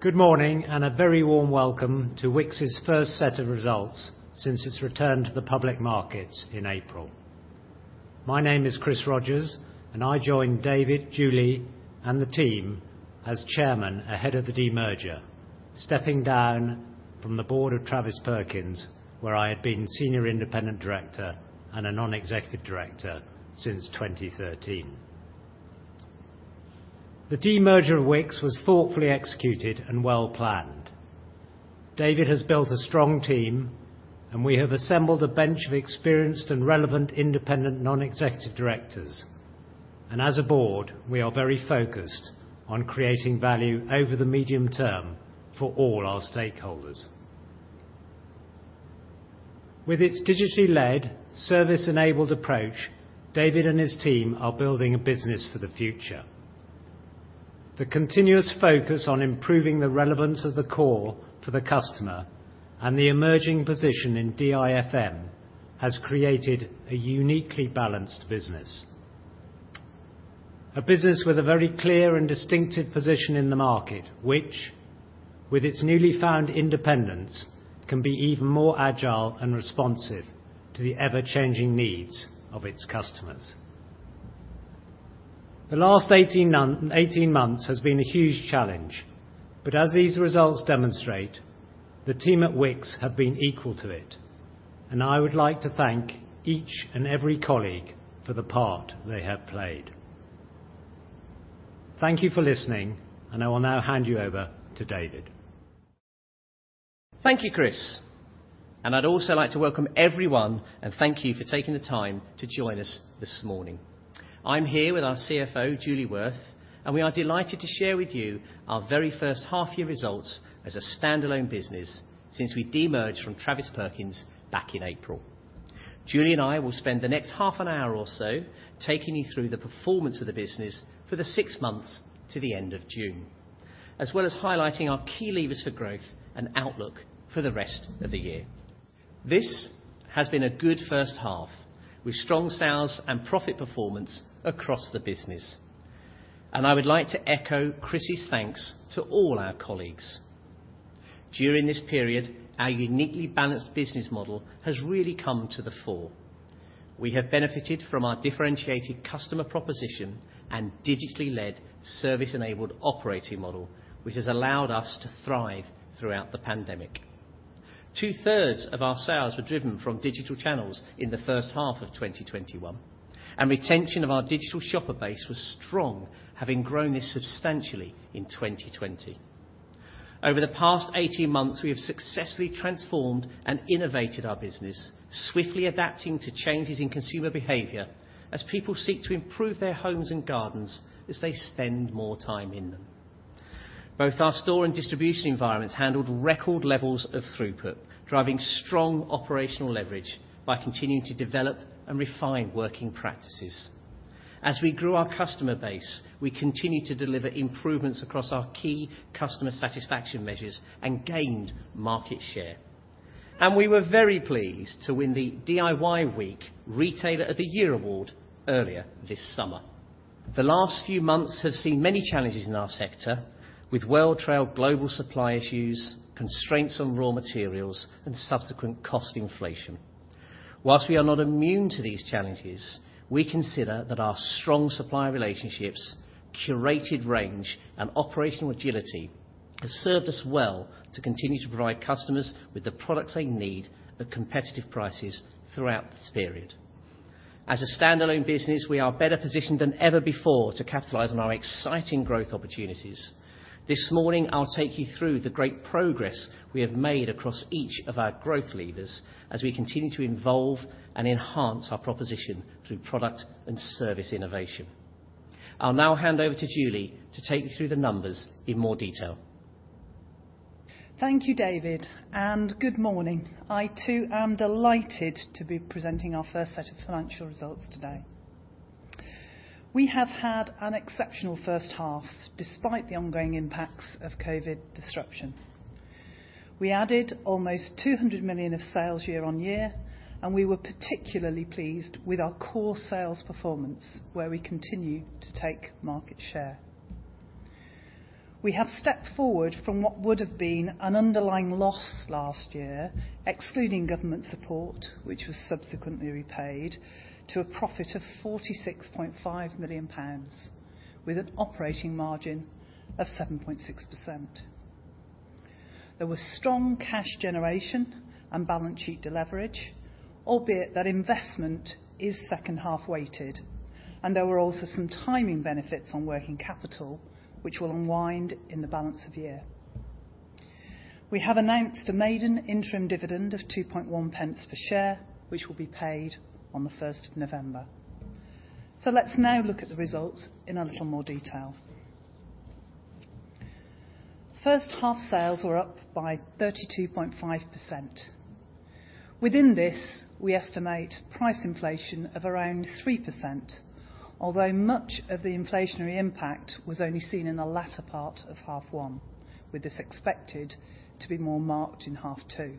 Good morning, and a very warm welcome to Wickes' first set of results since its return to the public markets in April. My name is Chris Rogers, and I joined David, Julie, and the team as Chairman ahead of the demerger, stepping down from the board of Travis Perkins, where I had been Senior Independent Director and a Non-Executive Director since 2013. The demerger of Wickes was thoughtfully executed and well-planned. David has built a strong team, and we have assembled a bench of experienced and relevant Independent Non-Executive Directors. As a board, we are very focused on creating value over the medium term for all our stakeholders. With its digitally led, service-enabled approach, David and his team are building a business for the future. The continuous focus on improving the relevance of the core for the customer and the emerging position in DIFM has created a uniquely balanced business. A business with a very clear and distinctive position in the market, which, with its newly found independence, can be even more agile and responsive to the ever-changing needs of its customers. The last 18 months has been a huge challenge, but as these results demonstrate, the team at Wickes have been equal to it, and I would like to thank each and every colleague for the part they have played. Thank you for listening, and I will now hand you over to David. Thank you, Chris. I'd also like to welcome everyone and thank you for taking the time to join us this morning. I'm here with our CFO, Julie Wirth, and we are delighted to share with you our very first half-year results as a standalone business since we de-merged from Travis Perkins back in April. Julie and I will spend the next half an hour or so taking you through the performance of the business for the six months to the end of June, as well as highlighting our key levers for growth and outlook for the rest of the year. This has been a good first half, with strong sales and profit performance across the business. I would like to echo Chris's thanks to all our colleagues. During this period, our uniquely balanced business model has really come to the fore. We have benefited from our differentiated customer proposition and digitally led, service-enabled operating model, which has allowed us to thrive throughout the pandemic. Two-thirds of our sales were driven from digital channels in the first half of 2021, and retention of our digital shopper base was strong, having grown this substantially in 2020. Over the past 18 months, we have successfully transformed and innovated our business, swiftly adapting to changes in consumer behavior as people seek to improve their homes and gardens as they spend more time in them. Both our store and distribution environments handled record levels of throughput, driving strong operational leverage by continuing to develop and refine working practices. As we grew our customer base, we continued to deliver improvements across our key customer satisfaction measures and gained market share. We were very pleased to win the DIY Week Retailer of the Year Award earlier this summer. The last few months have seen many challenges in our sector, with well-trailed global supply issues, constraints on raw materials, and subsequent cost inflation. Whilst we are not immune to these challenges, we consider that our strong supplier relationships, curated range, and operational agility have served us well to continue to provide customers with the products they need at competitive prices throughout this period. As a standalone business, we are better positioned than ever before to capitalize on our exciting growth opportunities. This morning, I'll take you through the great progress we have made across each of our growth levers as we continue to involve and enhance our proposition through product and service innovation. I'll now hand over to Julie to take you through the numbers in more detail. Thank you, David, and good morning. I, too, am delighted to be presenting our first set of financial results today. We have had an exceptional first half, despite the ongoing impacts of COVID disruption. We added almost 200 million of sales year-on-year. We were particularly pleased with our core sales performance, where we continue to take market share. We have stepped forward from what would've been an underlying loss last year, excluding government support, which was subsequently repaid, to a profit of 46.5 million pounds, with an operating margin of 7.6%. There was strong cash generation and balance sheet deleverage, albeit that investment is second half weighted. There were also some timing benefits on working capital, which will unwind in the balance of the year. We have announced a maiden interim dividend of 0.021 per share, which will be paid on the November 1st. Let's now look at the results in a little more detail. First half sales were up by 32.5%. Within this, we estimate price inflation of around 3%, although much of the inflationary impact was only seen in the latter part of half one, with this expected to be more marked in half two.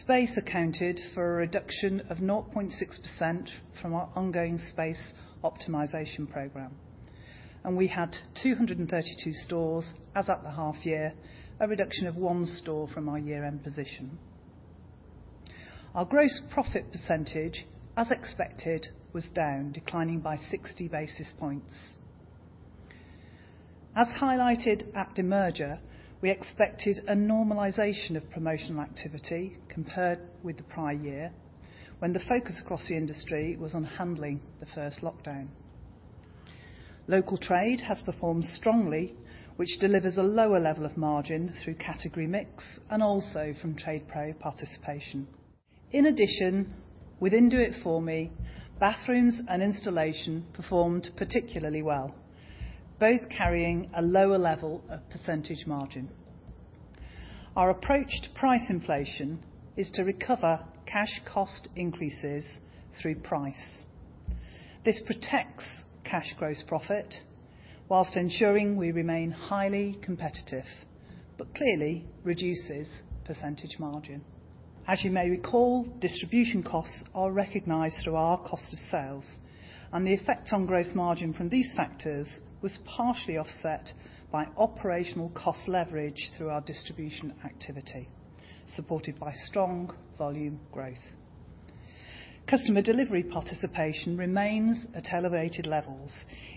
Space accounted for a reduction of 0.6% from our ongoing space optimization program, and we had 232 stores as at the half year, a reduction of one store from our year-end position. Our gross profit percentage, as expected, was down, declining by 60 basis points. As highlighted at demerger, we expected a normalization of promotional activity compared with the prior year, when the focus across the industry was on handling the first lockdown. Local trade has performed strongly, which delivers a lower level of margin through category mix and also from TradePro participation. In addition, within Do It For Me, bathrooms and installation performed particularly well, both carrying a lower level of percentage margin. Our approach to price inflation is to recover cash cost increases through price. This protects cash gross profit while ensuring we remain highly competitive, but clearly reduces percentage margin. The effect on gross margin from these factors was partially offset by operational cost leverage through our distribution activity, supported by strong volume growth. Customer delivery participation remains at elevated levels,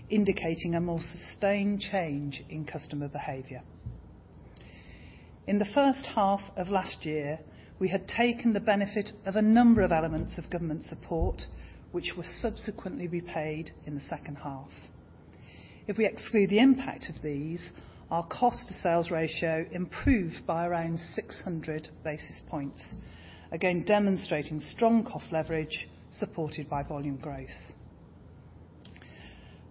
indicating a more sustained change in customer behavior. In the first half of last year, we had taken the benefit of a number of elements of government support, which were subsequently repaid in the second half. If we exclude the impact of these, our cost to sales ratio improved by around 600 basis points, again demonstrating strong cost leverage supported by volume growth.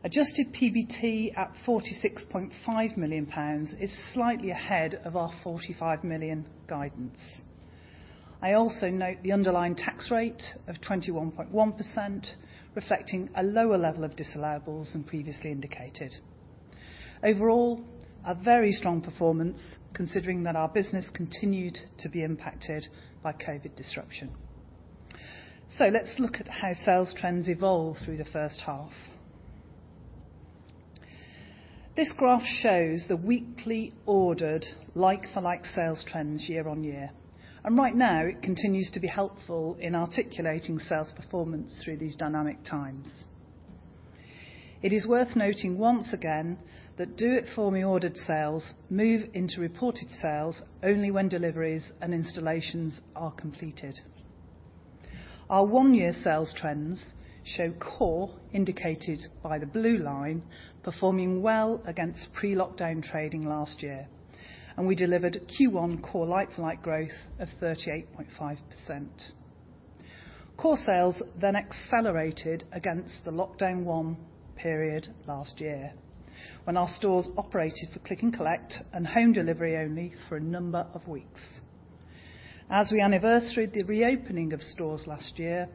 Adjusted PBT at 46.5 million pounds is slightly ahead of our 45 million guidance. I also note the underlying tax rate of 21.1%, reflecting a lower level of disallowables than previously indicated. Overall, a very strong performance considering that our business continued to be impacted by COVID disruption. Let's look at how sales trends evolve through the first half. This graph shows the weekly ordered like-for-like sales trends year-on-year, and right now it continues to be helpful in articulating sales performance through these dynamic times. It is worth noting once again that Do It For Me ordered sales move into reported sales only when deliveries and installations are completed. Our one-year sales trends show core, indicated by the blue line, performing well against pre-lockdown trading last year, and we delivered Q1 core like-for-like growth of 38.5%. Core sales accelerated against the lockdown one period last year, when our stores operated for Click & Collect and home delivery only for a number of weeks. As we anniversaried the reopening of stores last year,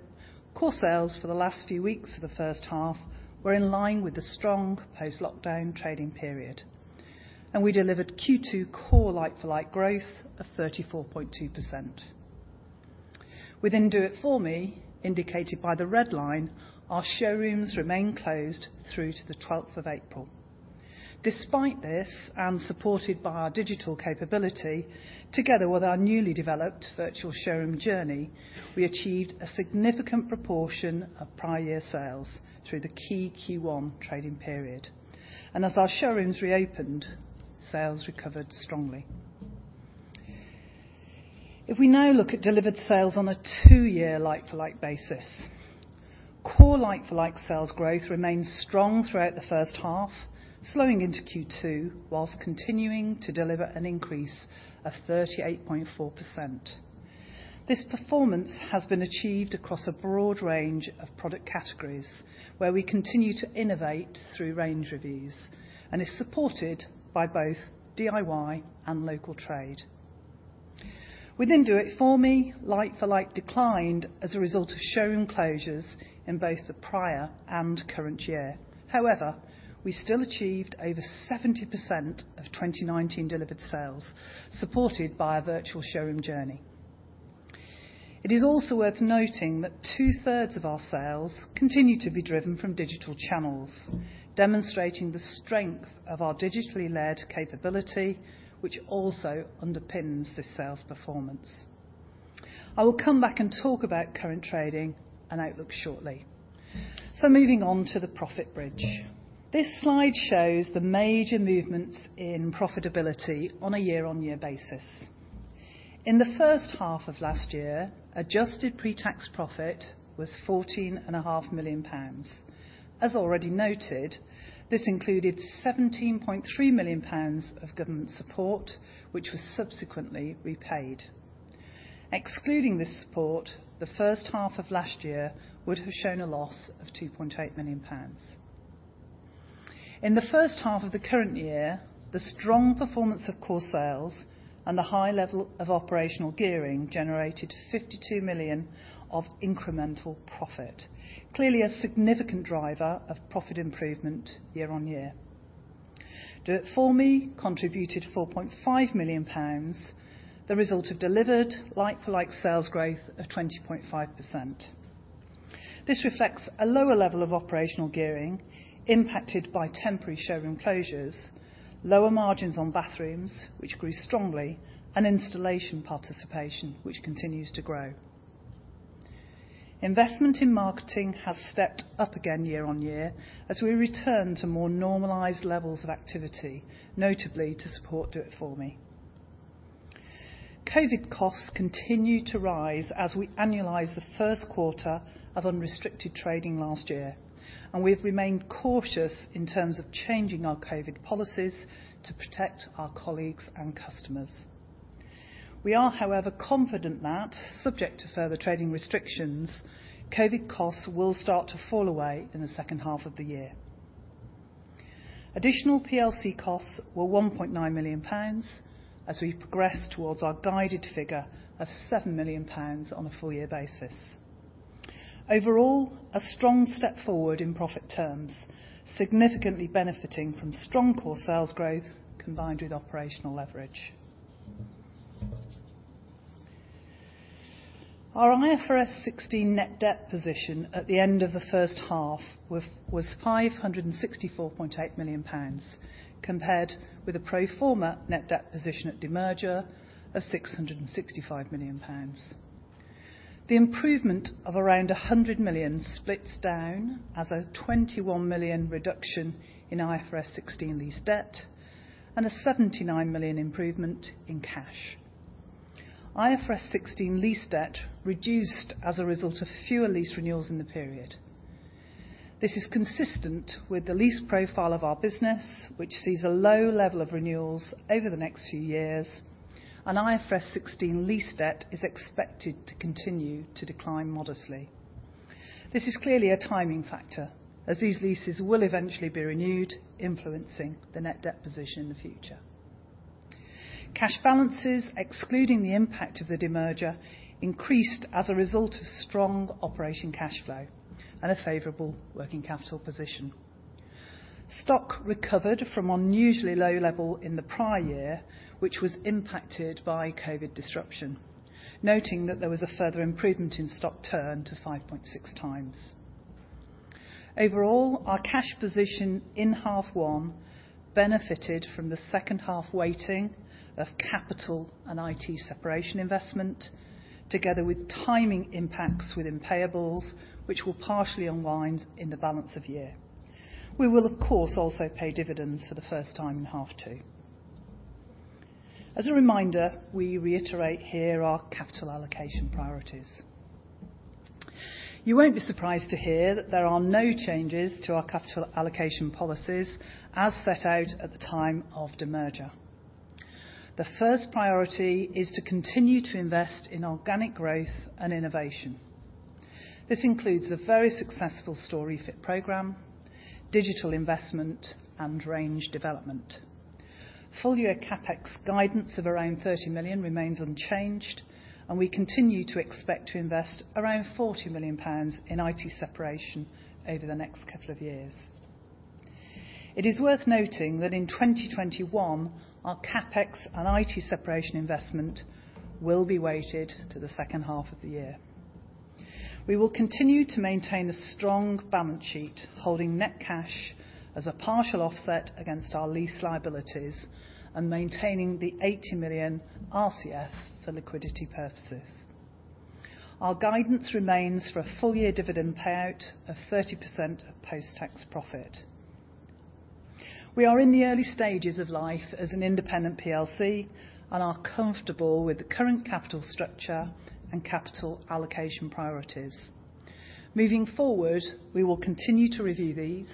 core sales for the last few weeks of the first half were in line with the strong post-lockdown trading period, and we delivered Q2 core like-for-like growth of 34.2%. Within Do It For Me, indicated by the red line, our showrooms remain closed through to the April 12th. Despite this, and supported by our digital capability, together with our newly developed virtual showroom journey, we achieved a significant proportion of prior year sales through the key Q1 trading period. As our showrooms reopened, sales recovered strongly. If we now look at delivered sales on a two-year like-for-like basis, core like-for-like sales growth remains strong throughout the first half, slowing into Q2, while continuing to deliver an increase of 38.4%. This performance has been achieved across a broad range of product categories where we continue to innovate through range reviews and is supported by both DIY and local trade. Within Do It For Me, like-for-like declined as a result of showroom closures in both the prior and current year. However, we still achieved over 70% of 2019 delivered sales, supported by a virtual showroom journey. It is also worth noting that two-thirds of our sales continue to be driven from digital channels, demonstrating the strength of our digitally led capability, which also underpins this sales performance. I will come back and talk about current trading and outlook shortly. Moving on to the profit bridge. This slide shows the major movements in profitability on a year-on-year basis. In the first half of last year, adjusted pre-tax profit was 14.5 million pounds. As already noted, this included 17.3 million pounds of government support, which was subsequently repaid. Excluding this support, the first half of last year would have shown a loss of 2.8 million pounds. In the first half of the current year, the strong performance of core sales and the high level of operational gearing generated 52 million of incremental profit, clearly a significant driver of profit improvement year-on-year. Do It For Me contributed 4.5 million pounds, the result of delivered like-for-like sales growth of 20.5%. This reflects a lower level of operational gearing impacted by temporary showroom closures, lower margins on bathrooms, which grew strongly, and installation participation, which continues to grow. Investment in marketing has stepped up again year-on-year as we return to more normalized levels of activity, notably to support Do It For Me. COVID costs continue to rise as we annualize the first quarter of unrestricted trading last year, and we've remained cautious in terms of changing our COVID policies to protect our colleagues and customers. We are, however, confident that, subject to further trading restrictions, COVID costs will start to fall away in the second half of the year. Additional PLC costs were 1.9 million pounds as we progress towards our guided figure of 7 million pounds on a full year basis. Overall, a strong step forward in profit terms, significantly benefiting from strong core sales growth combined with operational leverage. Our IFRS 16 net debt position at the end of the first half was 564.8 million pounds, compared with a pro forma net debt position at demerger of 665 million pounds. The improvement of around 100 million splits down as a 21 million reduction in IFRS 16 lease debt, and a 79 million improvement in cash. IFRS 16 lease debt reduced as a result of fewer lease renewals in the period. This is consistent with the lease profile of our business, which sees a low level of renewals over the next few years, and IFRS 16 lease debt is expected to continue to decline modestly. This is clearly a timing factor, as these leases will eventually be renewed, influencing the net debt position in the future. Cash balances, excluding the impact of the demerger, increased as a result of strong operating cash flow and a favorable working capital position. Stock recovered from unusually low level in the prior year, which was impacted by COVID disruption, noting that there was a further improvement in stock turn to 5.6x. Overall, our cash position in half one benefited from the second half weighting of capital and IT separation investment, together with timing impacts within payables, which will partially unwind in the balance of year. We will, of course, also pay dividends for the first time in half two. As a reminder, we reiterate here our capital allocation priorities. You won't be surprised to hear that there are no changes to our capital allocation policies as set out at the time of demerger. The first priority is to continue to invest in organic growth and innovation. This includes a very successful store refit program, digital investment, and range development. Full year CapEx guidance of around 30 million remains unchanged, and we continue to expect to invest around 40 million pounds in IT separation over the next couple of years. It is worth noting that in 2021, our CapEx and IT separation investment will be weighted to the second half of the year. We will continue to maintain a strong balance sheet, holding net cash as a partial offset against our lease liabilities and maintaining the 80 million RCF for liquidity purposes. Our guidance remains for a full year dividend payout of 30% of post-tax profit. We are in the early stages of life as an independent PLC and are comfortable with the current capital structure and capital allocation priorities. Moving forward, we will continue to review these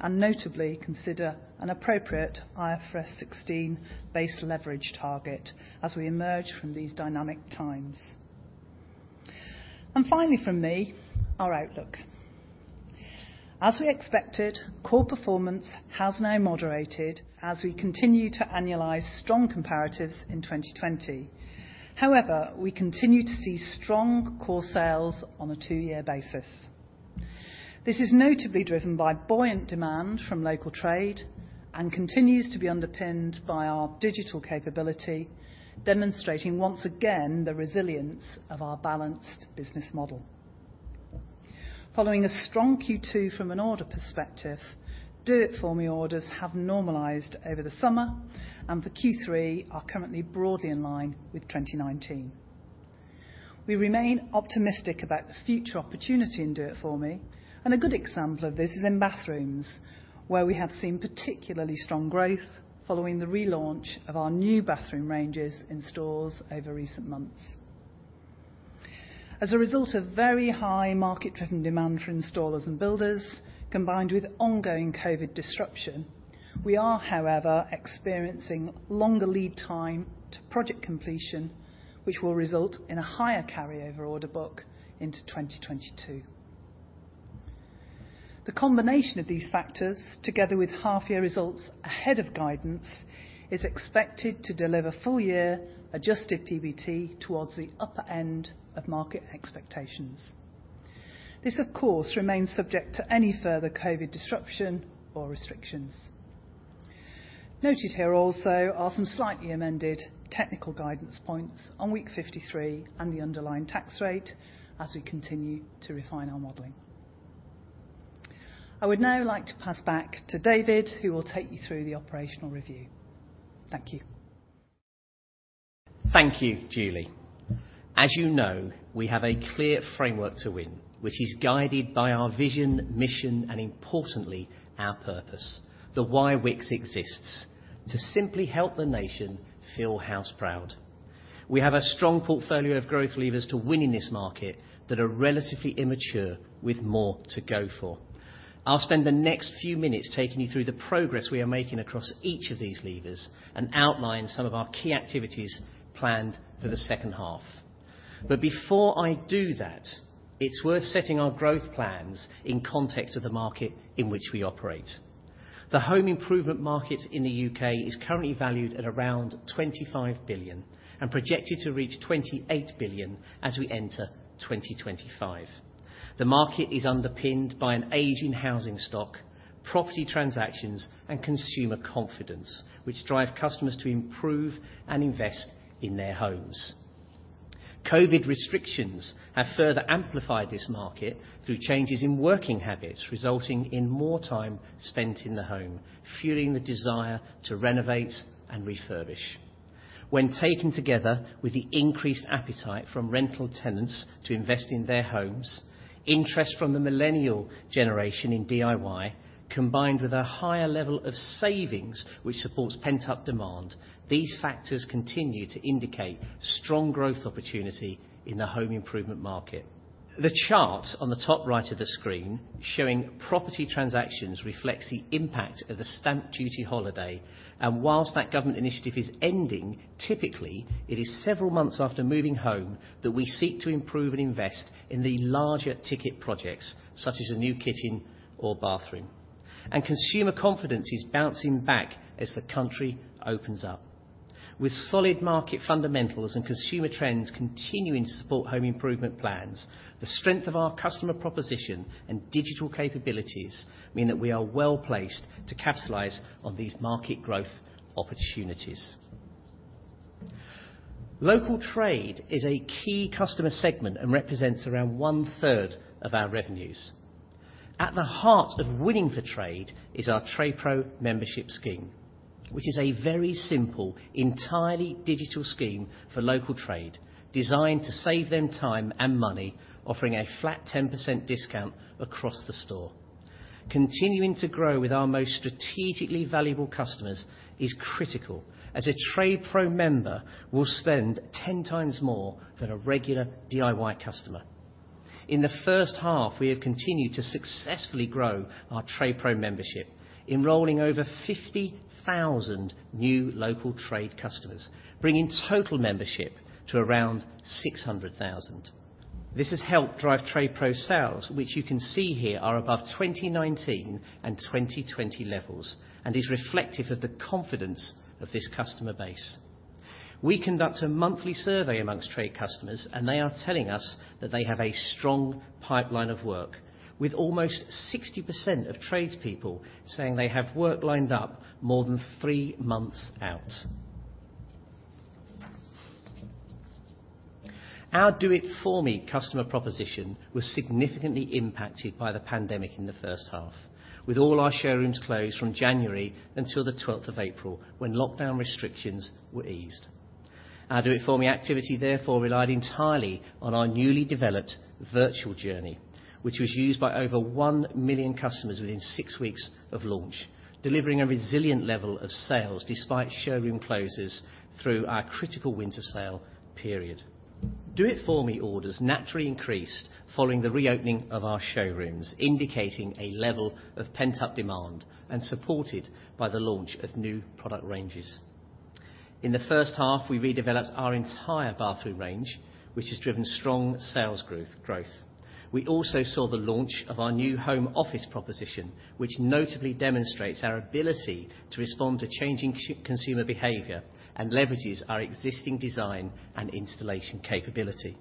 and notably consider an appropriate IFRS 16 base leverage target as we emerge from these dynamic times. Finally from me, our outlook. As we expected, core performance has now moderated as we continue to annualize strong comparatives in 2020. However, we continue to see strong core sales on a two-year basis. This is notably driven by buoyant demand from local trade and continues to be underpinned by our digital capability, demonstrating once again the resilience of our balanced business model. Following a strong Q2 from an order perspective, Do It For Me orders have normalized over the summer, and for Q3 are currently broadly in line with 2019. We remain optimistic about the future opportunity in Do It For Me, and a good example of this is in bathrooms, where we have seen particularly strong growth following the relaunch of our new bathroom ranges in stores over recent months. As a result of very high market-driven demand for installers and builders, combined with ongoing COVID disruption, we are, however, experiencing longer lead time to project completion, which will result in a higher carry-over order book into 2022. The combination of these factors, together with half-year results ahead of guidance, is expected to deliver full year adjusted PBT towards the upper end of market expectations. This, of course, remains subject to any further COVID disruption or restrictions. Noted here also are some slightly amended technical guidance points on week 53 and the underlying tax rate as we continue to refine our modeling. I would now like to pass back to David, who will take you through the operational review. Thank you. Thank you, Julie. As you know, we have a clear framework to win, which is guided by our vision, mission, and importantly, our purpose, the why Wickes exists, to simply help the nation feel house-proud. We have a strong portfolio of growth levers to win in this market that are relatively immature with more to go for. I'll spend the next few minutes taking you through the progress we are making across each of these levers and outline some of our key activities planned for the second half. Before I do that, it's worth setting our growth plans in context of the market in which we operate. The home improvement market in the U.K. is currently valued at around 25 billion and projected to reach 28 billion as we enter 2025. The market is underpinned by an aging housing stock, property transactions, and consumer confidence, which drive customers to improve and invest in their homes. COVID restrictions have further amplified this market through changes in working habits, resulting in more time spent in the home, fueling the desire to renovate and refurbish. When taken together with the increased appetite from rental tenants to invest in their homes, interest from the millennial generation in DIY, combined with a higher level of savings which supports pent-up demand, these factors continue to indicate strong growth opportunity in the home improvement market. The chart on the top right of the screen showing property transactions reflects the impact of the Stamp Duty Holiday, whilst that government initiative is ending, typically, it is several months after moving home that we seek to improve and invest in the larger ticket projects, such as a new kitchen or bathroom. Consumer confidence is bouncing back as the country opens up. With solid market fundamentals and consumer trends continuing to support home improvement plans, the strength of our customer proposition and digital capabilities mean that we are well-placed to capitalize on these market growth opportunities. Local trade is a key customer segment and represents around 1/3 of our revenues. At the heart of winning for trade is our TradePro membership scheme, which is a very simple, entirely digital scheme for local trade, designed to save them time and money, offering a flat 10% discount across the store. Continuing to grow with our most strategically valuable customers is critical, as a TradePro member will spend 10x more than a regular DIY customer. In the first half, we have continued to successfully grow our TradePro membership, enrolling over 50,000 new local trade customers, bringing total membership to around 600,000. This has helped drive TradePro sales, which you can see here are above 2019 and 2020 levels and is reflective of the confidence of this customer base. We conduct a monthly survey amongst trade customers, and they are telling us that they have a strong pipeline of work with almost 60% of tradespeople saying they have work lined up more than three months out. Our Do It For Me customer proposition was significantly impacted by the pandemic in the first half. With all our showrooms closed from January until the April 12th, when lockdown restrictions were eased. Our Do It For Me activity therefore relied entirely on our newly developed virtual journey, which was used by over 1 million customers within six weeks of launch, delivering a resilient level of sales despite showroom closures through our critical winter sale period. Do It For Me orders naturally increased following the reopening of our showrooms, indicating a level of pent-up demand and supported by the launch of new product ranges. In the first half, we redeveloped our entire bathroom range, which has driven strong sales growth. We also saw the launch of our new home office proposition, which notably demonstrates our ability to respond to changing consumer behavior and leverages our existing design and installation capability.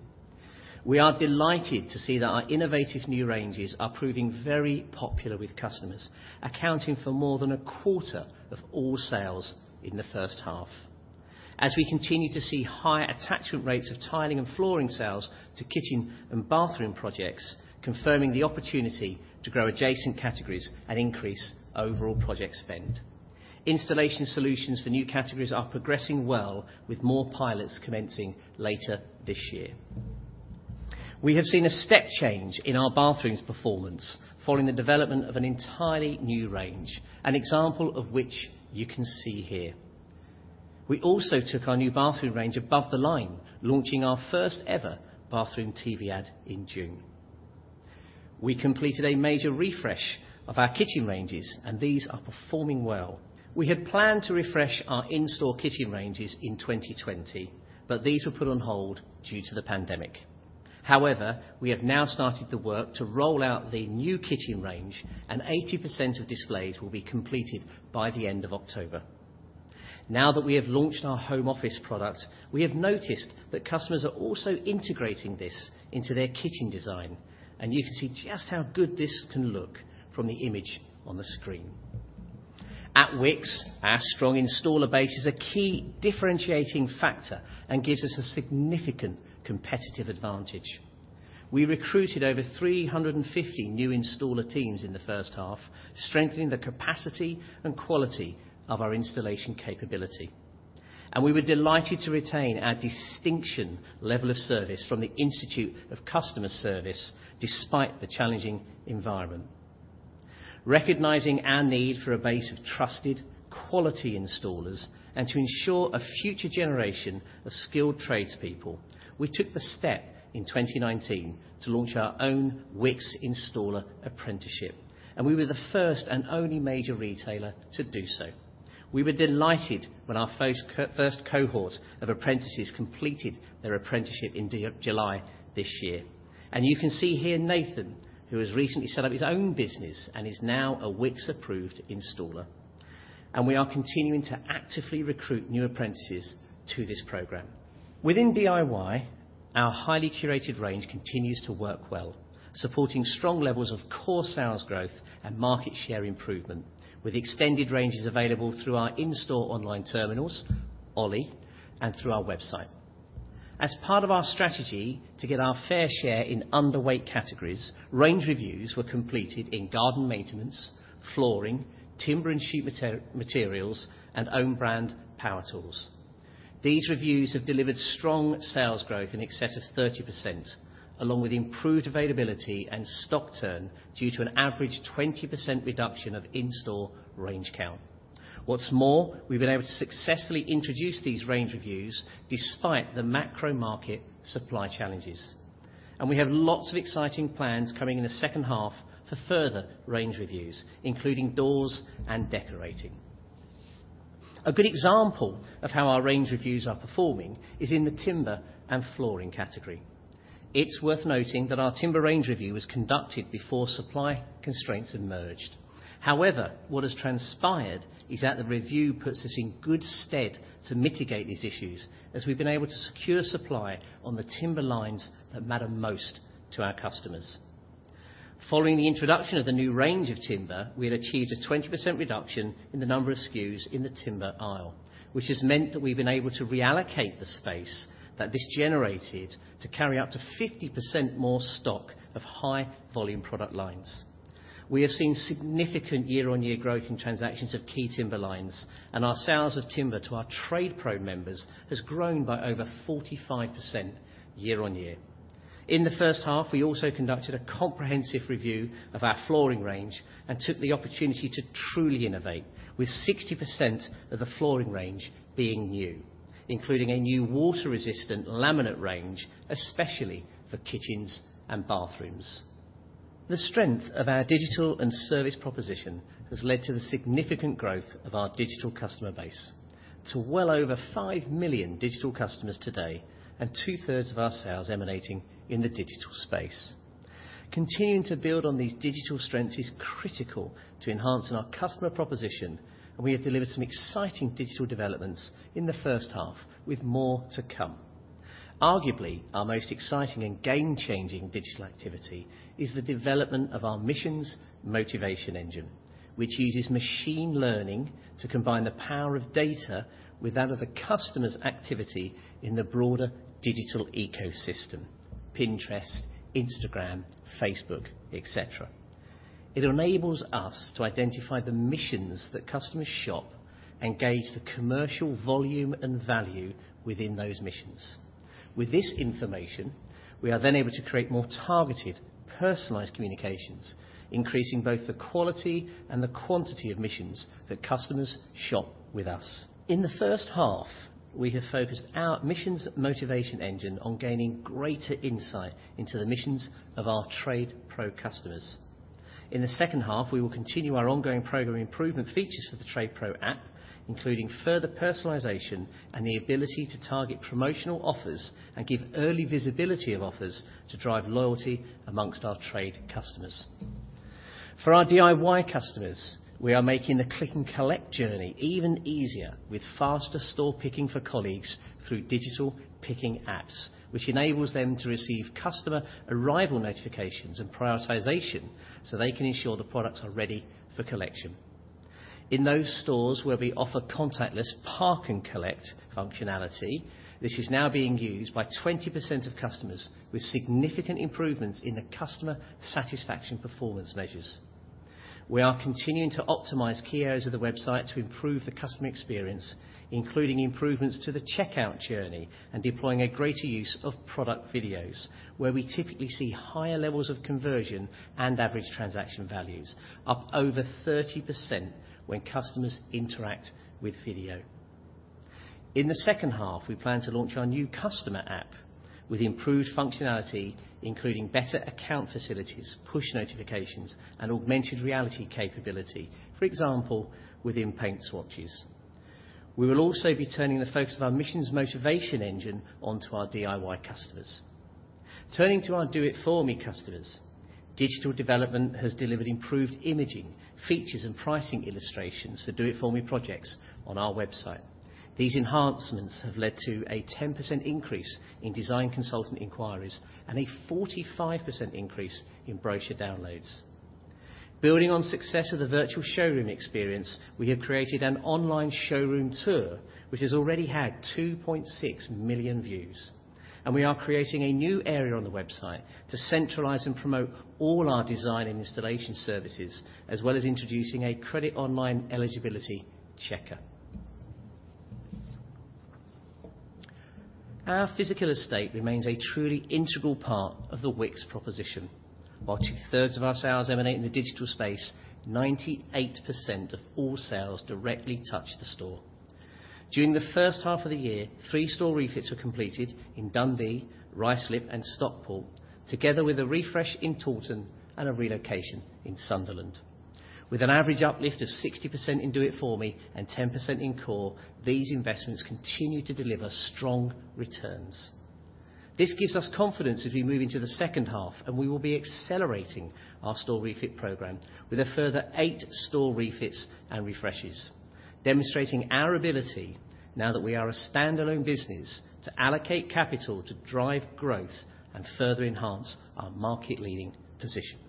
We are delighted to see that our innovative new ranges are proving very popular with customers, accounting for more than a quarter of all sales in the first half. As we continue to see higher attachment rates of tiling and flooring sales to kitchen and bathroom projects, confirming the opportunity to grow adjacent categories and increase overall project spend. Installation solutions for new categories are progressing well with more pilots commencing later this year. We have seen a step change in our bathrooms performance following the development of an entirely new range, an example of which you can see here. We also took our new bathroom range above the line, launching our first ever bathroom TV ad in June. We completed a major refresh of our kitchen ranges, and these are performing well. We had planned to refresh our in-store kitchen ranges in 2020, but these were put on hold due to the pandemic. However, we have now started the work to roll out the new kitchen range, and 80% of displays will be completed by the end of October. Now that we have launched our home office product, we have noticed that customers are also integrating this into their kitchen design, and you can see just how good this can look from the image on the screen. At Wickes, our strong installer base is a key differentiating factor and gives us a significant competitive advantage. We recruited over 350 new installer teams in the first half, strengthening the capacity and quality of our installation capability. We were delighted to retain our distinction level of service from The Institute of Customer Service, despite the challenging environment. Recognizing our need for a base of trusted, quality installers and to ensure a future generation of skilled tradespeople, we took the step in 2019 to launch our own Wickes installer apprenticeship, we were the first and only major retailer to do so. We were delighted when our first cohort of apprentices completed their apprenticeship in July this year. You can see here Nathan, who has recently set up his own business and is now a Wickes approved installer. We are continuing to actively recruit new apprentices to this program. Within DIY, our highly curated range continues to work well, supporting strong levels of core sales growth and market share improvement, with extended ranges available through our in-store online terminals, OLI, and through our website. As part of our strategy to get our fair share in underweight categories, range reviews were completed in garden maintenance, flooring, timber and sheet materials, and own brand power tools. These reviews have delivered strong sales growth in excess of 30%, along with improved availability and stock turn due to an average 20% reduction of in-store range count. We have lots of exciting plans coming in the second half for further range reviews, including doors and decorating. A good example of how our range reviews are performing is in the timber and flooring category. It's worth noting that our timber range review was conducted before supply constraints emerged. What has transpired is that the review puts us in good stead to mitigate these issues, as we've been able to secure supply on the timber lines that matter most to our customers. Following the introduction of the new range of timber, we have achieved a 20% reduction in the number of SKUs in the timber aisle, which has meant that we've been able to reallocate the space that this generated to carry up to 50% more stock of high volume product lines. We have seen significant year-on-year growth in transactions of key timber lines, and our sales of timber to our TradePro members has grown by over 45% year-on-year. In the first half, we also conducted a comprehensive review of our flooring range and took the opportunity to truly innovate with 60% of the flooring range being new, including a new water-resistant laminate range, especially for kitchens and bathrooms. The strength of our digital and service proposition has led to the significant growth of our digital customer base to well over 5 million digital customers today, and two-thirds of our sales emanating in the digital space. Continuing to build on these digital strengths is critical to enhancing our customer proposition, and we have delivered some exciting digital developments in the first half, with more to come. Arguably, our most exciting and game-changing digital activity is the development of our Missions and Motivation Engine, which uses machine learning to combine the power of data with that of a customer's activity in the broader digital ecosystem, Pinterest, Instagram, Facebook, et cetera. It enables us to identify the missions that customers shop and gauge the commercial volume and value within those missions. With this information, we are able to create more targeted, personalized communications, increasing both the quality and the quantity of missions that customers shop with us. In the first half, we have focused our Missions and Motivation Engine on gaining greater insight into the missions of our TradePro customers. In the second half, we will continue our ongoing program improvement features for the TradePro app, including further personalization and the ability to target promotional offers and give early visibility of offers to drive loyalty amongst our trade customers. For our DIY customers, we are making the click and collect journey even easier with faster store picking for colleagues through digital picking apps, which enables them to receive customer arrival notifications and prioritization so they can ensure the products are ready for collection. In those stores where we offer contactless park and collect functionality, this is now being used by 20% of customers, with significant improvements in the customer satisfaction performance measures. We are continuing to optimize key areas of the website to improve the customer experience, including improvements to the checkout journey and deploying a greater use of product videos, where we typically see higher levels of conversion and average transaction values up over 30% when customers interact with video. In the second half, we plan to launch our new customer app with improved functionality, including better account facilities, push notifications, and augmented reality capability, for example, within paint swatches. We will also be turning the focus of our Missions and Motivation Engine onto our DIY customers. Turning to our Do It For Me customers, digital development has delivered improved imaging, features, and pricing illustrations for Do It For Me projects on our website. These enhancements have led to a 10% increase in design consultant inquiries and a 45% increase in brochure downloads. Building on success of the virtual showroom experience, we have created an online showroom tour which has already had 2.6 million views, and we are creating a new area on the website to centralize and promote all our design and installation services, as well as introducing a credit online eligibility checker. Our physical estate remains a truly integral part of the Wickes proposition. While two-thirds of our sales emanate in the digital space, 98% of all sales directly touch the store. During the first half of the year, three store refits were completed in Dundee, Ruislip, and Stockport, together with a refresh in Taunton and a relocation in Sunderland. With an average uplift of 60% in Do It For Me and 10% in core, these investments continue to deliver strong returns. This gives us confidence as we move into the second half, and we will be accelerating our store refit program with a further eight store refits and refreshes, demonstrating our ability, now that we are a standalone business, to allocate capital to drive growth and further enhance our market leading position.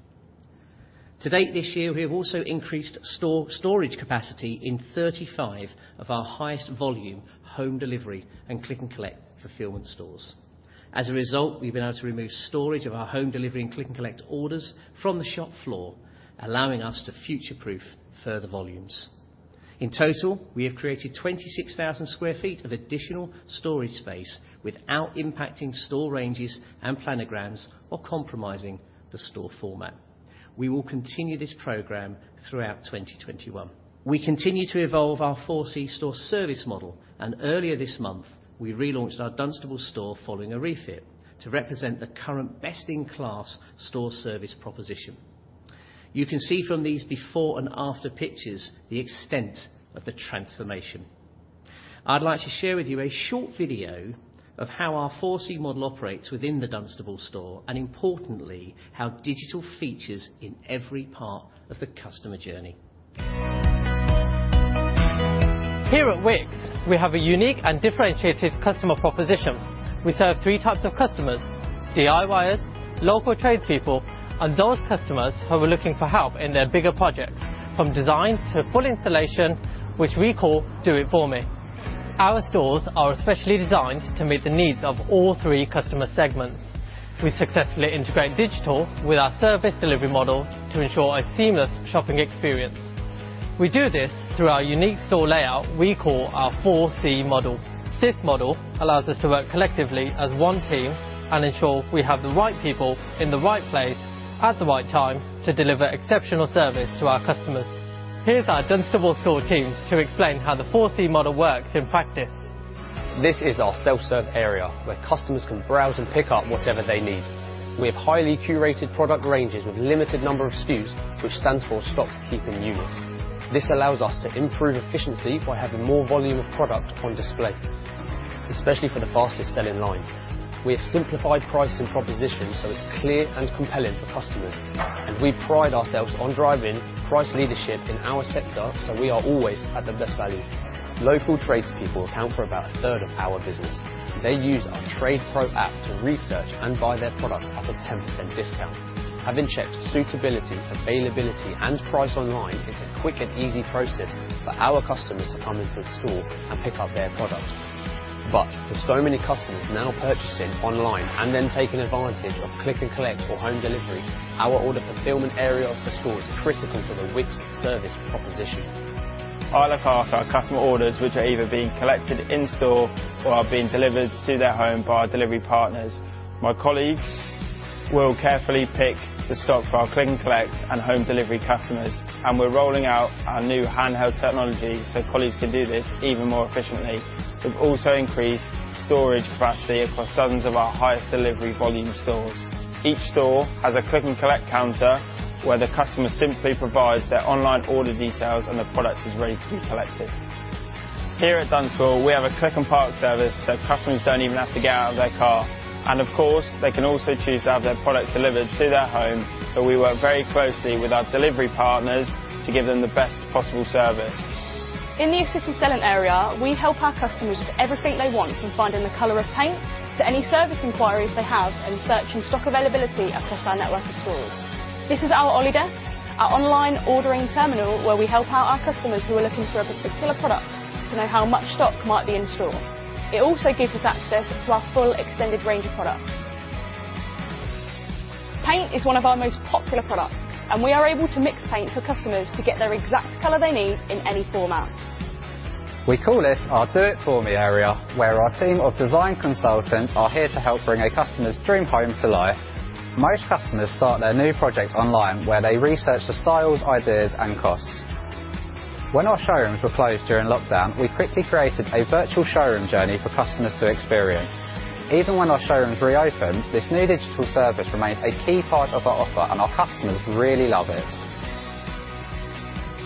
To date this year, we have also increased storage capacity in 35 of our highest volume home delivery and click and collect fulfillment stores. As a result, we've been able to remove storage of our home delivery and click and collect orders from the shop floor, allowing us to future-proof further volumes. In total, we have created 26,000 sq ft of additional storage space without impacting store ranges and planograms or compromising the store format. We will continue this program throughout 2021. We continue to evolve our 4C store service model, and earlier this month, we relaunched our Dunstable store following a refit to represent the current best-in-class store service proposition. You can see from these before and after pictures the extent of the transformation. I'd like to share with you a short video of how our 4C model operates within the Dunstable store, and importantly, how digital features in every part of the customer journey. Here at Wickes, we have a unique and differentiated customer proposition. We serve three types of customers, DIYers, local tradespeople, and those customers who are looking for help in their bigger projects from design to full installation, which we call Do It For Me. Our stores are specially designed to meet the needs of all three customer segments. We successfully integrate digital with our service delivery model to ensure a seamless shopping experience. We do this through our unique store layout we call our 4C model. This model allows us to work collectively as one team and ensure we have the right people in the right place at the right time to deliver exceptional service to our customers. Here's our Dunstable store team to explain how the 4C model works in practice. This is our self-serve area, where customers can browse and pick up whatever they need. We have highly curated product ranges with limited number of SKUs, which stands for stock keeping unit. This allows us to improve efficiency by having more volume of product on display, especially for the fastest selling lines. We have simplified pricing proposition so it's clear and compelling for customers, and we pride ourselves on driving price leadership in our sector so we are always at the best value. Local tradespeople account for about 1/3 of our business. They use our TradePro app to research and buy their products at a 10% discount. Having checked suitability, availability, and price online, it's a quick and easy process for our customers to come into the store and pick up their product. With so many customers now purchasing online and then taking advantage of Click & Collect or home delivery, our order fulfillment area of the store is critical for the Wickes service proposition. I look after our customer orders, which are either being collected in store or are being delivered to their home by our delivery partners. My colleagues will carefully pick the stock for our click and collect and home delivery customers, and we're rolling out our new handheld technology so colleagues can do this even more efficiently. We've also increased storage capacity across dozens of our highest delivery volume stores. Each store has a Click & Collect counter where the customer simply provides their online order details and the product is ready to be collected. Here at Dunstable, we have a click and park service. Customers don't even have to get out of their car. Of course, they can also choose to have their product delivered to their home, so we work very closely with our delivery partners to give them the best possible service. In the assisted selling area, we help our customers with everything they want, from finding the color of paint to any service inquiries they have and searching stock availability across our network of stores. This is our OLI desk, our online ordering terminal where we help out our customers who are looking for a particular product to know how much stock might be in store. It also gives us access to our full extended range of products. Paint is one of our most popular products, and we are able to mix paint for customers to get their exact color they need in any format. We call this our Do It For Me area, where our team of design consultants are here to help bring a customer's dream home to life. Most customers start their new project online, where they research the styles, ideas, and costs. When our showrooms were closed during lockdown, we quickly created a virtual showroom journey for customers to experience. Even when our showrooms reopened, this new digital service remains a key part of our offer, and our customers really love it.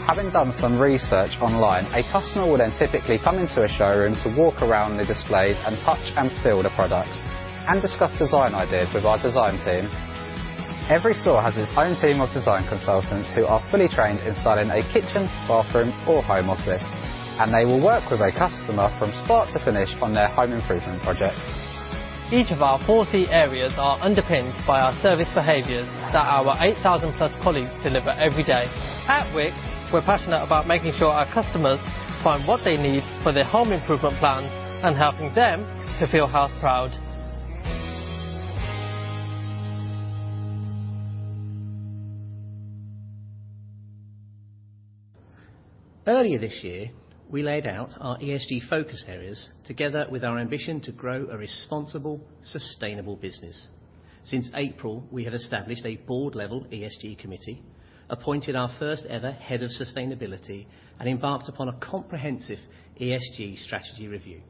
Having done some research online, a customer will then typically come into a showroom to walk around the displays and touch and feel the products, and discuss design ideas with our design team. Every store has its own team of design consultants who are fully trained in styling a kitchen, bathroom, or home office, and they will work with a customer from start to finish on their home improvement projects. Each of our 4C areas are underpinned by our service behaviors that our 8,000+ colleagues deliver every day. At Wickes, we're passionate about making sure our customers find what they need for their home improvement plans and helping them to feel house proud. Earlier this year, we laid out our ESG focus areas together with our ambition to grow a responsible, sustainable business. Since April, we have established a board-level ESG committee, appointed our first ever head of sustainability, and embarked upon a comprehensive ESG strategy review.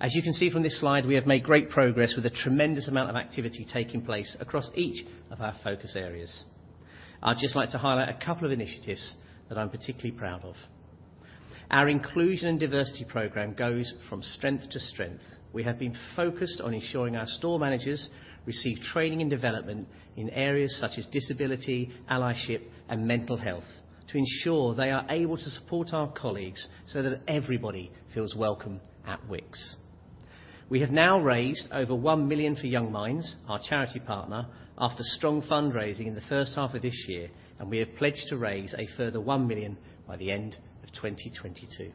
As you can see from this slide, we have made great progress with a tremendous amount of activity taking place across each of our focus areas. I'd just like to highlight a couple of initiatives that I'm particularly proud of. Our inclusion and diversity program goes from strength to strength. We have been focused on ensuring our store managers receive training and development in areas such as disability, allyship, and mental health to ensure they are able to support our colleagues so that everybody feels welcome at Wickes. We have now raised over 1 million for YoungMinds, our charity partner, after strong fundraising in the first half of this year, and we have pledged to raise a further 1 million by the end of 2022.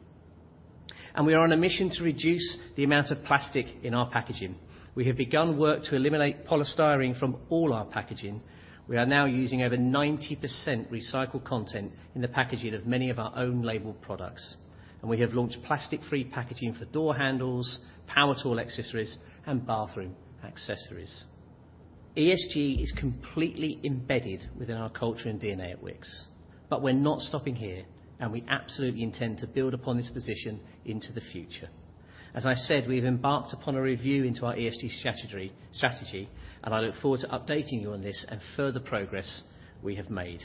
We are on a mission to reduce the amount of plastic in our packaging. We have begun work to eliminate polystyrene from all our packaging. We are now using over 90% recycled content in the packaging of many of our own labeled products, and we have launched plastic-free packaging for door handles, power tool accessories, and bathroom accessories. ESG is completely embedded within our culture and DNA at Wickes, but we're not stopping here, and we absolutely intend to build upon this position into the future. As I said, we've embarked upon a review into our ESG strategy, and I look forward to updating you on this and further progress we have made.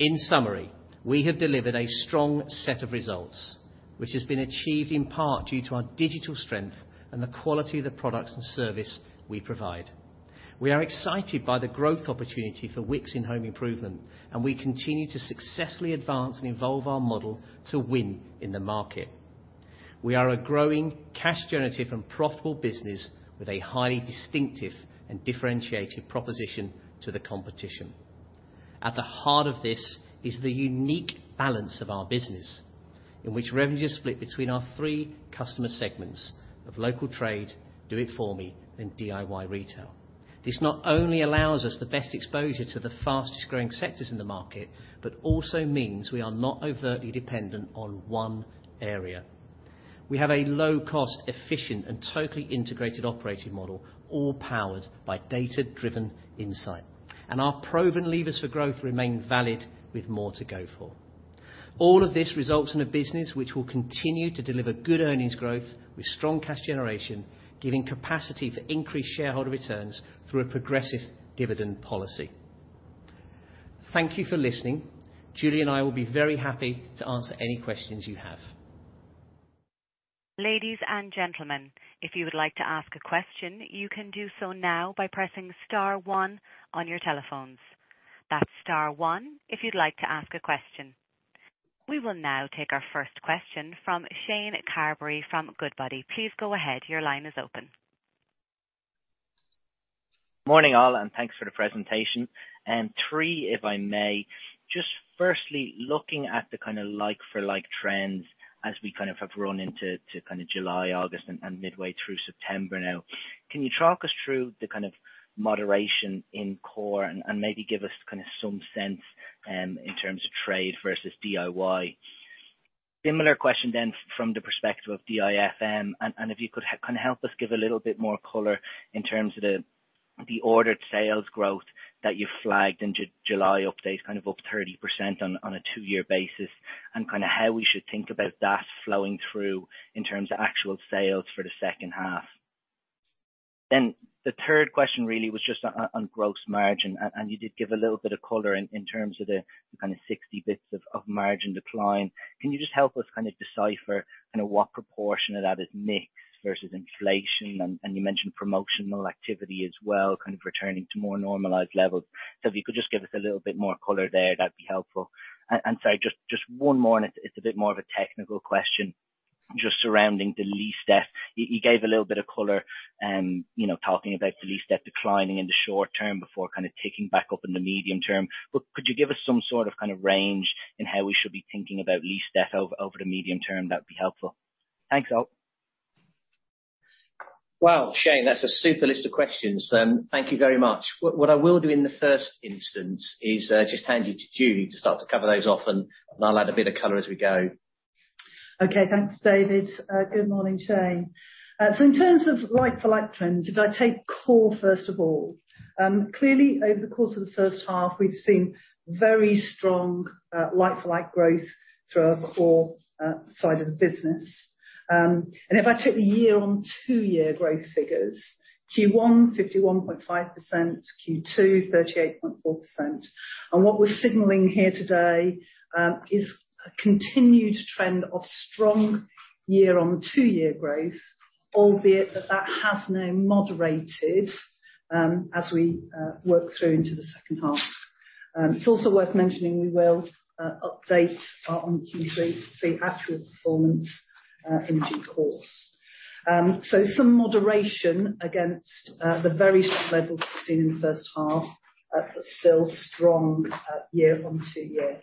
In summary, we have delivered a strong set of results, which has been achieved in part due to our digital strength and the quality of the products and service we provide. We are excited by the growth opportunity for Wickes in home improvement, and we continue to successfully advance and evolve our model to win in the market. We are a growing cash generative and profitable business with a highly distinctive and differentiated proposition to the competition. At the heart of this is the unique balance of our business, in which revenue is split between our three customer segments of local trade, Do It For Me, and DIY retail. This not only allows us the best exposure to the fastest-growing sectors in the market, but also means we are not overtly dependent on one area. We have a low-cost, efficient, and totally integrated operating model, all powered by data-driven insight. Our proven levers for growth remain valid with more to go for. All of this results in a business which will continue to deliver good earnings growth with strong cash generation, giving capacity for increased shareholder returns through a progressive dividend policy. Thank you for listening. Julie and I will be very happy to answer any questions you have. Ladies and gentlemen, if you would like to ask a question, you can do so now by pressing star one on your telephones. That's star one if you'd like to ask a question. We will now take our first question from Shane Carberry from Goodbody. Please go ahead. Your line is open. Morning, all, thanks for the presentation. Three, if I may, just firstly, looking at the like for like trends as we have run into to July, August, and midway through September now, can you talk us through the moderation in core and maybe give us some sense in terms of trade versus DIY? Similar question from the perspective of DIFM, and if you could help us give a little bit more color in terms of the ordered sales growth that you flagged in July update up 30% on a two-year basis, and how we should think about that flowing through in terms of actual sales for the second half. The third question really was just on gross margin, and you did give a little bit of color in terms of the 60 basis points of margin decline. Can you just help us decipher what proportion of that is mix versus inflation? And you mentioned promotional activity as well, returning to more normalized levels. If you could just give us a little bit more color there, that'd be helpful. And sorry, just one more, and it's a bit more of a technical question just surrounding the lease debt. You gave a little bit of color talking about the lease debt declining in the short term before ticking back up in the medium term. Could you give us some sort of range in how we should be thinking about lease debt over the medium term? That'd be helpful. Thanks all. Wow, Shane, that's a super list of questions. Thank you very much. What I will do in the first instance is, just hand you to Julie to start to cover those off, and I'll add a bit of color as we go. Okay. Thanks, David. Good morning, Shane. In terms of like for like trends, if I take core, first of all, clearly over the course of the first half, we've seen very strong. Like-for-like growth through our core side of the business. If I took the year-on-two-year growth figures, Q1 51.5%, Q2 38.4%. What we're signaling here today is a continued trend of strong year-on-two-year growth, albeit that has now moderated as we work through into the second half. It's also worth mentioning we will update on Q3 the actual performance in due course. Some moderation against the very strong levels we've seen in the first half, but still strong year-on-two-year. From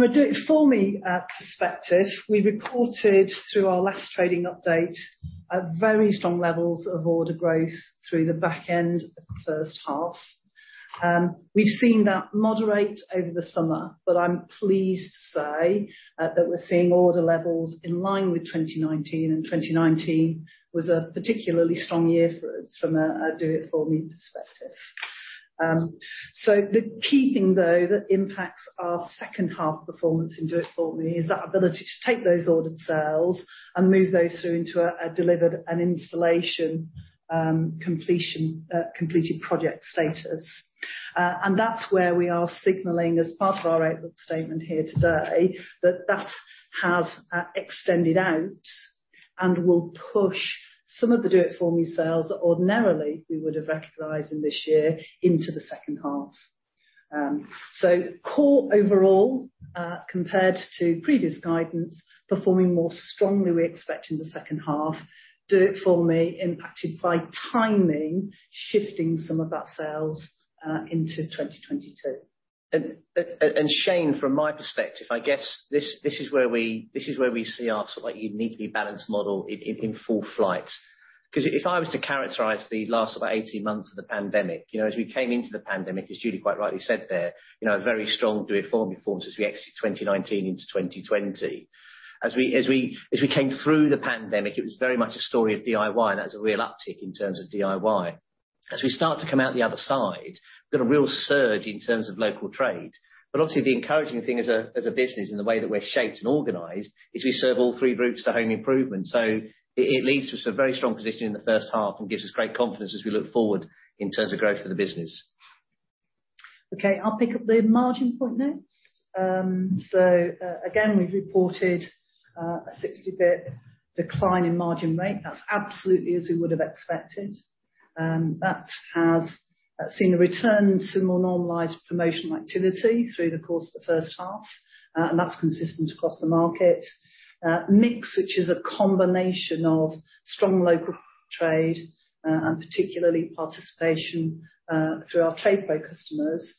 a Do It For Me perspective, we reported through our last trading update very strong levels of order growth through the back end of the first half. We've seen that moderate over the summer, but I'm pleased to say that we're seeing order levels in line with 2019, and 2019 was a particularly strong year for us from a Do It For Me perspective. The key thing, though, that impacts our second half performance in Do It For Me is that ability to take those ordered sales and move those through into a delivered an installation completed project status. That's where we are signaling as part of our outlook statement here today that that has extended out and will push some of the Do It For Me sales that ordinarily we would have recognized in this year into the second half. Core overall, compared to previous guidance, performing more strongly, we expect in the second half. Do It For Me impacted by timing, shifting some of that sales into 2022. Shane, from my perspective, I guess this is where we see our uniquely balanced model in full flight. If I was to characterize the last 18 months of the pandemic, as we came into the pandemic, as Julie quite rightly said there, very strong Do It For Me performance as we exit 2019 into 2020. As we came through the pandemic, it was very much a story of DIY, and that was a real uptick in terms of DIY. As we start to come out the other side, we got a real surge in terms of local trade. Obviously, the encouraging thing as a business in the way that we're shaped and organized is we serve all three routes to home improvement. It leads to a very strong position in the first half and gives us great confidence as we look forward in terms of growth for the business. Okay, I'll pick up the margin point next. Again, we've reported a 60 basis points decline in margin rate. That's absolutely as we would have expected. That has seen a return to more normalized promotional activity through the course of the first half, and that's consistent across the market. Mix, which is a combination of strong local trade and particularly participation through our TradePro customers,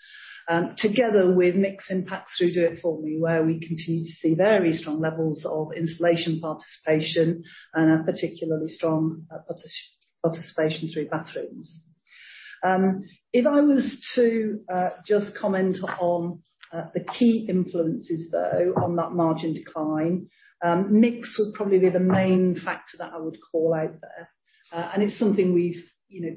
together with mix impacts through Do It For Me, where we continue to see very strong levels of installation participation and a particularly strong participation through bathrooms. If I was to just comment on the key influences, though, on that margin decline, mix would probably be the main factor that I would call out there. It's something we've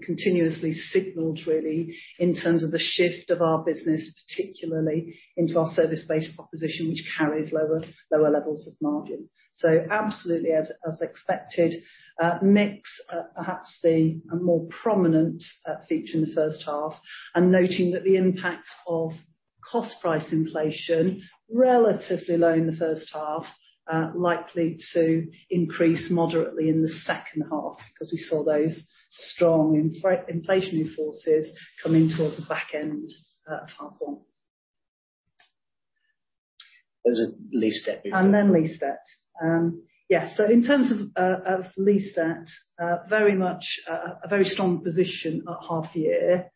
continuously signaled, really, in terms of the shift of our business, particularly into our service-based proposition, which carries lower levels of margin. Absolutely, as expected, mix perhaps the more prominent feature in the first half, and noting that the impact of cost price inflation relatively low in the first half, likely to increase moderately in the second half because we saw those strong inflationary forces coming towards the back end of half one. There's a lease debt. Then lease debt. Yeah. In terms of lease debt, very much a very strong position at half year.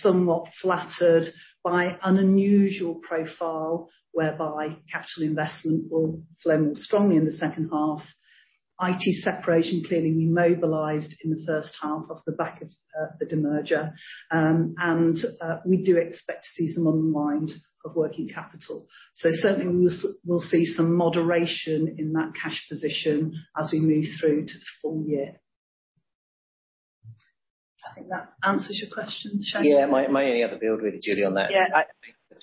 Somewhat flattered by an unusual profile whereby capital investment will flow more strongly in the second half. IT separation clearly mobilized in the first half off the back of the demerger. We do expect to see some unwind of working capital. Certainly, we'll see some moderation in that cash position as we move through to the full year. I think that answers your question, Shane. Yeah. My only other build, really, Julie, on that-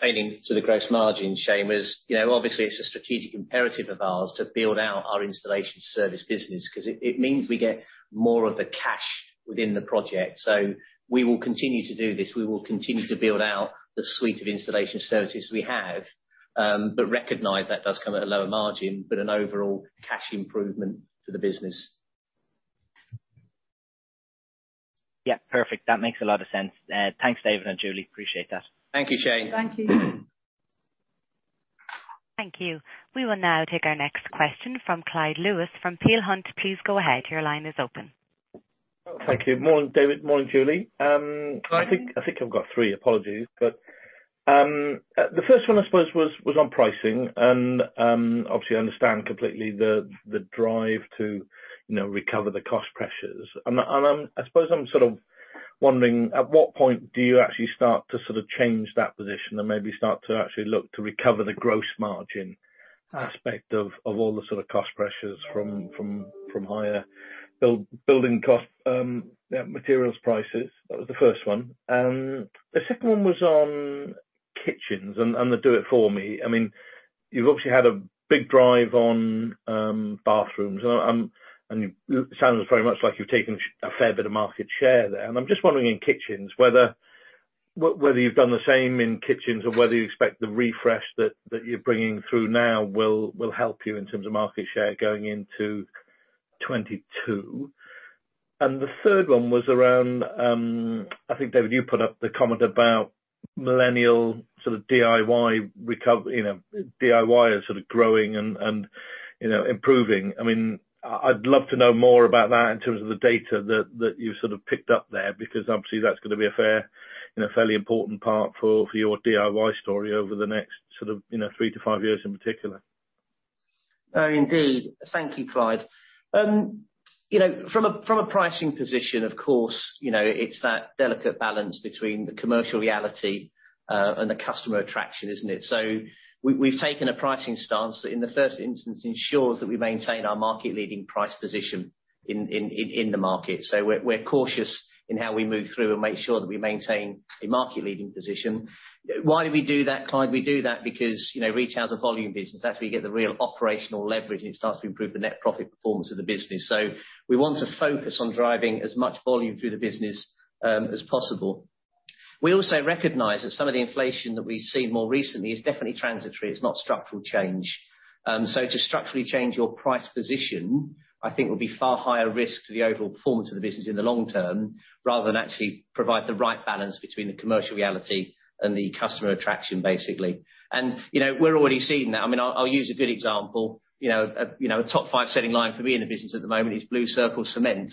Yeah pertaining to the gross margin, Shane, was obviously it's a strategic imperative of ours to build out our installation service business because it means we get more of the cash within the project. We will continue to do this. We will continue to build out the suite of installation services we have. Recognize that does come at a lower margin, but an overall cash improvement to the business. Yeah. Perfect. That makes a lot of sense. Thanks, David and Julie. Appreciate that. Thank you, Shane. Thank you. Thank you. We will now take our next question from Clyde Lewis from Peel Hunt. Please go ahead. Your line is open. Thank you. Morning, David. Morning, Julie. Morning. I think I've got three, apologies. The first one, I suppose, was on pricing. Obviously I understand completely the drive to recover the cost pressures. I suppose I'm sort of wondering, at what point do you actually start to change that position and maybe start to actually look to recover the gross margin aspect of all the sort of cost pressures from higher build building costs, materials prices? That was the first one. The second one was on kitchens and the Do It For Me. You've obviously had a big drive on bathrooms and it sounds very much like you've taken a fair bit of market share there. I'm just wondering in kitchens whether you've done the same in kitchens or whether you expect the refresh that you're bringing through now will help you in terms of market share going into 2022. The third one was around, I think, David, you put up the comment about millennial DIY is sort of growing and improving. I'd love to know more about that in terms of the data that you've picked up there, because obviously that's going to be a fairly important part for your DIY story over the next three to five years in particular. Indeed. Thank you, Clyde. From a pricing position, of course, it's that delicate balance between the commercial reality and the customer attraction, isn't it? We've taken a pricing stance that in the first instance ensures that we maintain our market leading price position in the market. We're cautious in how we move through and make sure that we maintain a market leading position. Why do we do that, Clyde? We do that because retail is a volume business. That's where you get the real operational leverage, and it starts to improve the net profit performance of the business. We want to focus on driving as much volume through the business as possible. We also recognize that some of the inflation that we've seen more recently is definitely transitory. It's not structural change. To structurally change your price position, I think would be far higher risk to the overall performance of the business in the long term, rather than actually provide the right balance between the commercial reality and the customer attraction, basically. We're already seeing that. I'll use a good example. A top five selling line for me in the business at the moment is Blue Circle Cement.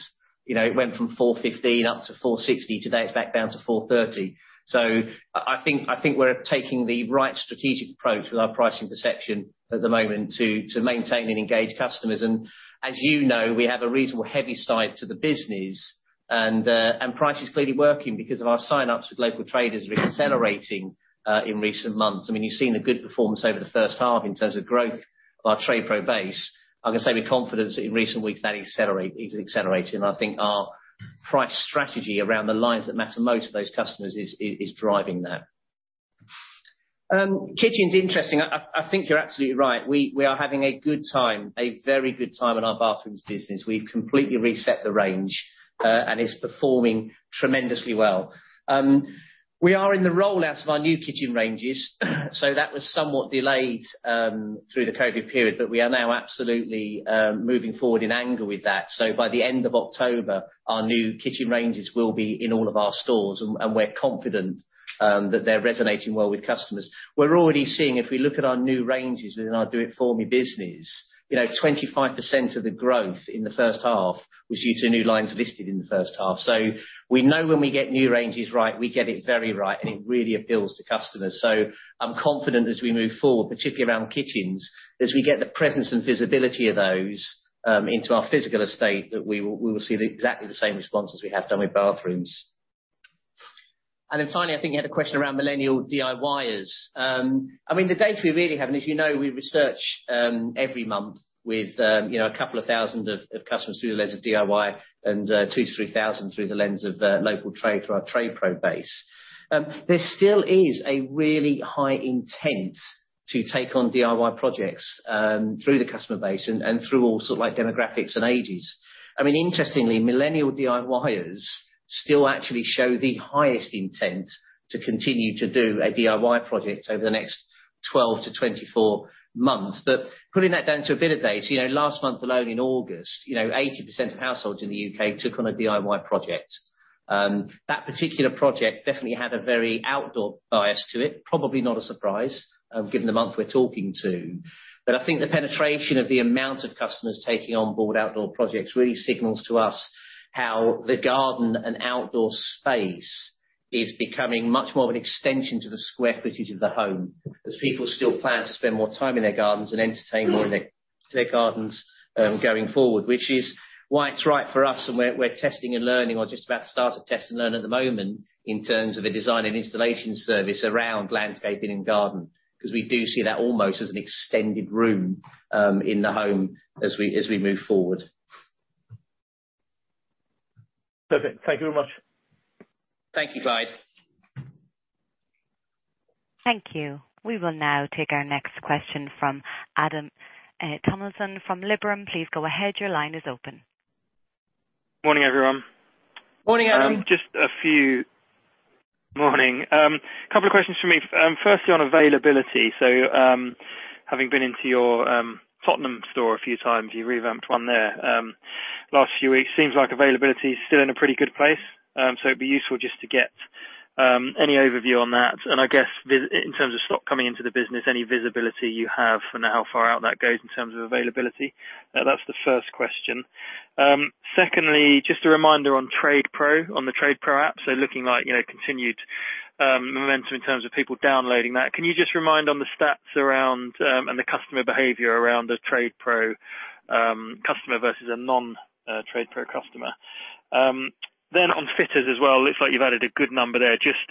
It went from 415 up to 460. Today it's back down to 430. I think we're taking the right strategic approach with our pricing perception at the moment to maintain and engage customers. As you know, we have a reasonable heavy side to the business and price is clearly working because of our sign-ups with local traders accelerating in recent months. You've seen a good performance over the first half in terms of growth of our TradePro base. I can say with confidence in recent weeks that is accelerating. I think our price strategy around the lines that matter most to those customers is driving that. Kitchens interesting. I think you're absolutely right. We are having a good time, a very good time in our bathrooms business. We've completely reset the range, and it's performing tremendously well. We are in the rollout of our new kitchen ranges, that was somewhat delayed through the COVID period, but we are now absolutely moving forward in anger with that. By the end of October our new kitchen ranges will be in all of our stores, and we're confident that they're resonating well with customers. We're already seeing if we look at our new ranges within our Do It For Me business, 25% of the growth in the first half was due to new lines listed in the first half. We know when we get new ranges right, we get it very right and it really appeals to customers. I'm confident as we move forward, particularly around kitchens, as we get the presence and visibility of those into our physical estate, that we will see exactly the same response as we have done with bathrooms. Finally, I think you had a question around millennial DIYers. The data we really have, and as you know, we research every month with a couple of thousand of customers through the lens of DIY and 2,000-3,000 through the lens of local trade through our TradePro base. There still is a really high intent to take on DIY projects through the customer base and through all demographics and ages. Interestingly, millennial DIYers still actually show the highest intent to continue to do a DIY project over the next 12-24 months. Putting that down to a bit of data, last month alone in August, 80% of households in the U.K. took on a DIY project. That particular project definitely had a very outdoor bias to it. Probably not a surprise given the month we're talking to. I think the penetration of the amount of customers taking on board outdoor projects really signals to us how the garden and outdoor space is becoming much more of an extension to the square footage of the home as people still plan to spend more time in their gardens and entertain more in their gardens going forward, which is why it's right for us and we're testing and learning or just about to start to test and learn at the moment in terms of a design and installation service around landscaping and garden because we do see that almost as an extended room in the home as we move forward. Perfect. Thank you very much. Thank you, Clyde. Thank you. We will now take our next question from Adam Tomlinson from Liberum. Please go ahead. Your line is open. Morning, everyone. Morning, Adam. Morning. Couple of questions from me. Firstly on availability. Having been into your Tottenham store a few times, you revamped one there last few weeks. Seems like availability is still in a pretty good place. It'd be useful just to get any overview on that and I guess in terms of stock coming into the business, any visibility you have on how far out that goes in terms of availability? That's the first question. Secondly, just a reminder on TradePro, on the TradePro app. Looking like continued momentum in terms of people downloading that. Can you just remind on the stats around and the customer behavior around a TradePro customer versus a non-TradePro customer? On fitters as well, looks like you've added a good number there. Just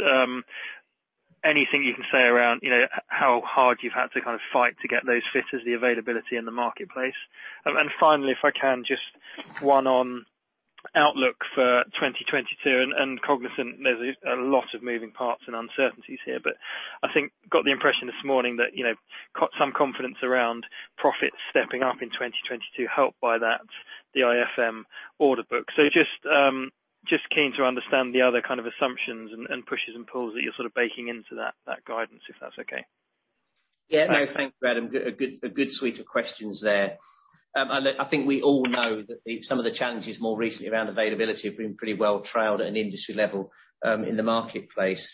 anything you can say around how hard you've had to fight to get those fitters, the availability in the marketplace. Finally, if I can, just one on outlook for 2022, and cognizant there's a lot of moving parts and uncertainties here, but I think got the impression this morning that caught some confidence around profits stepping up in 2022, helped by that the DIFM order book. Just keen to understand the other kind of assumptions and pushes and pulls that you're sort of baking into that guidance, if that's okay. Thanks, Adam. A good suite of questions there. I think we all know that some of the challenges more recently around availability have been pretty well trailed at an industry level, in the marketplace.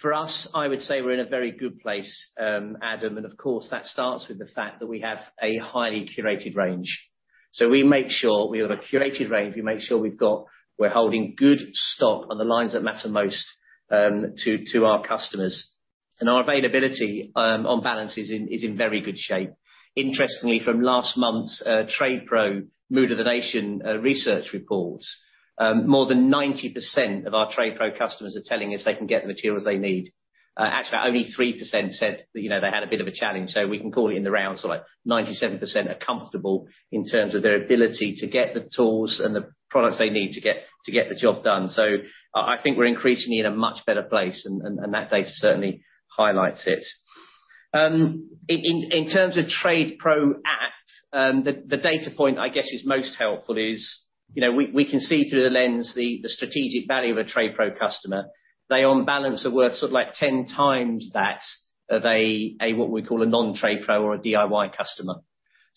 For us, I would say we're in a very good place, Adam. Of course, that starts with the fact that we have a highly curated range. We make sure we have a curated range. We make sure we're holding good stock on the lines that matter most to our customers. Our availability, on balance, is in very good shape. Interestingly, from last month's TradePro Mood of the Nation research reports, more than 90% of our TradePro customers are telling us they can get the materials they need. Actually, only 3% said that they had a bit of a challenge. We can call it in the round, like 97% are comfortable in terms of their ability to get the tools and the products they need to get the job done. I think we're increasingly in a much better place and that data certainly highlights it. In terms of TradePro app, the data point I guess is most helpful is we can see through the lens the strategic value of a TradePro customer. They, on balance, are worth sort of 10x that of a, what we call a non-TradePro or a DIY customer.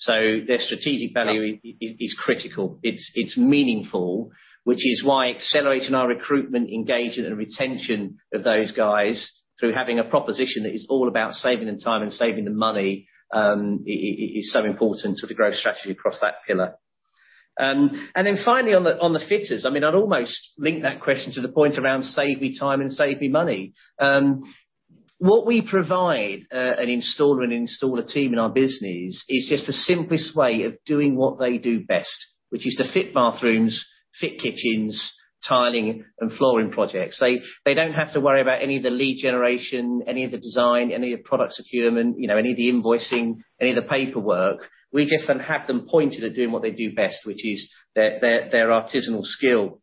Their strategic value is critical. It's meaningful, which is why accelerating our recruitment engagement and retention of those guys through having a proposition that is all about saving them time and saving them money is so important to the growth strategy across that pillar. Finally, on the fitters, I'd almost link that question to the point around save me time and save me money. What we provide an installer and installer team in our business is just the simplest way of doing what they do best, which is to fit bathrooms, fit kitchens, tiling and flooring projects. They don't have to worry about any of the lead generation, any of the design, any of the product procurement, any of the invoicing, any of the paperwork. We just have them pointed at doing what they do best, which is their artisanal skill.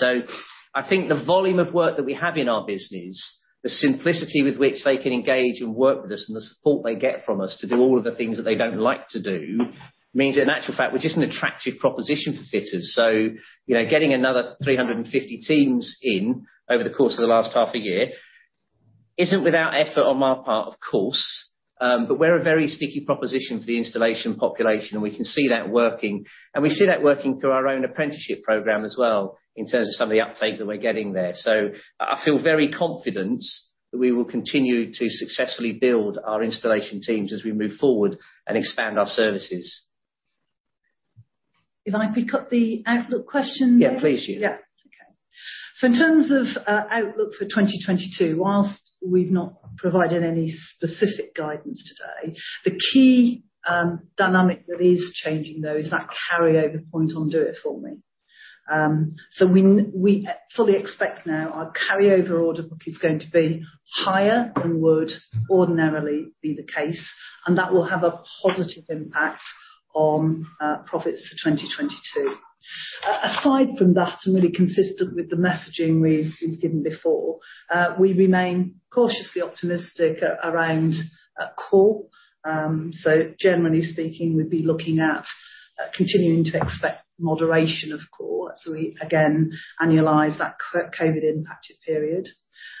I think the volume of work that we have in our business, the simplicity with which they can engage and work with us, and the support they get from us to do all of the things that they don't like to do means that in actual fact, we're just an attractive proposition for fitters. Getting another 350 teams in over the course of the last half a year isn't without effort on our part, of course, but we're a very sticky proposition for the installation population, and we can see that working. We see that working through our own apprenticeship program as well in terms of some of the uptake that we're getting there. I feel very confident that we will continue to successfully build our installation teams as we move forward and expand our services. If I pick up the outlook question next? Yeah, please. Yeah. Okay. In terms of outlook for 2022, whilst we've not provided any specific guidance today, the key dynamic that is changing, though, is that carryover point on Do It For Me. We fully expect now our carryover order book is going to be higher than would ordinarily be the case, and that will have a positive impact on profits for 2022. Aside from that, and really consistent with the messaging we've given before, we remain cautiously optimistic around core. Generally speaking, we'd be looking at continuing to expect moderation of core as we, again, annualize that COVID-impacted period.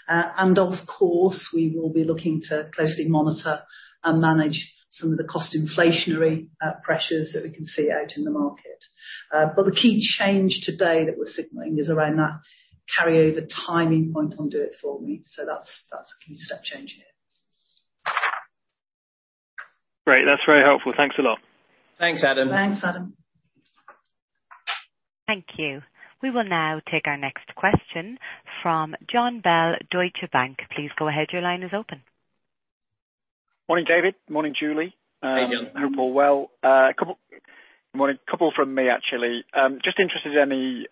Of course, we will be looking to closely monitor and manage some of the cost inflationary pressures that we can see out in the market. The key change today that we're signaling is around that carryover timing point on Do It For Me. That's a key step change here. Great. That's very helpful. Thanks a lot. Thanks, Adam. Thanks, Adam. Thank you. We will now take our next question from Jon Bell, Deutsche Bank. Please go ahead. Your line is open. Morning, David. Morning, Julie. Hey, Jon. Hope you're well. A couple from me, actually. Just interested in any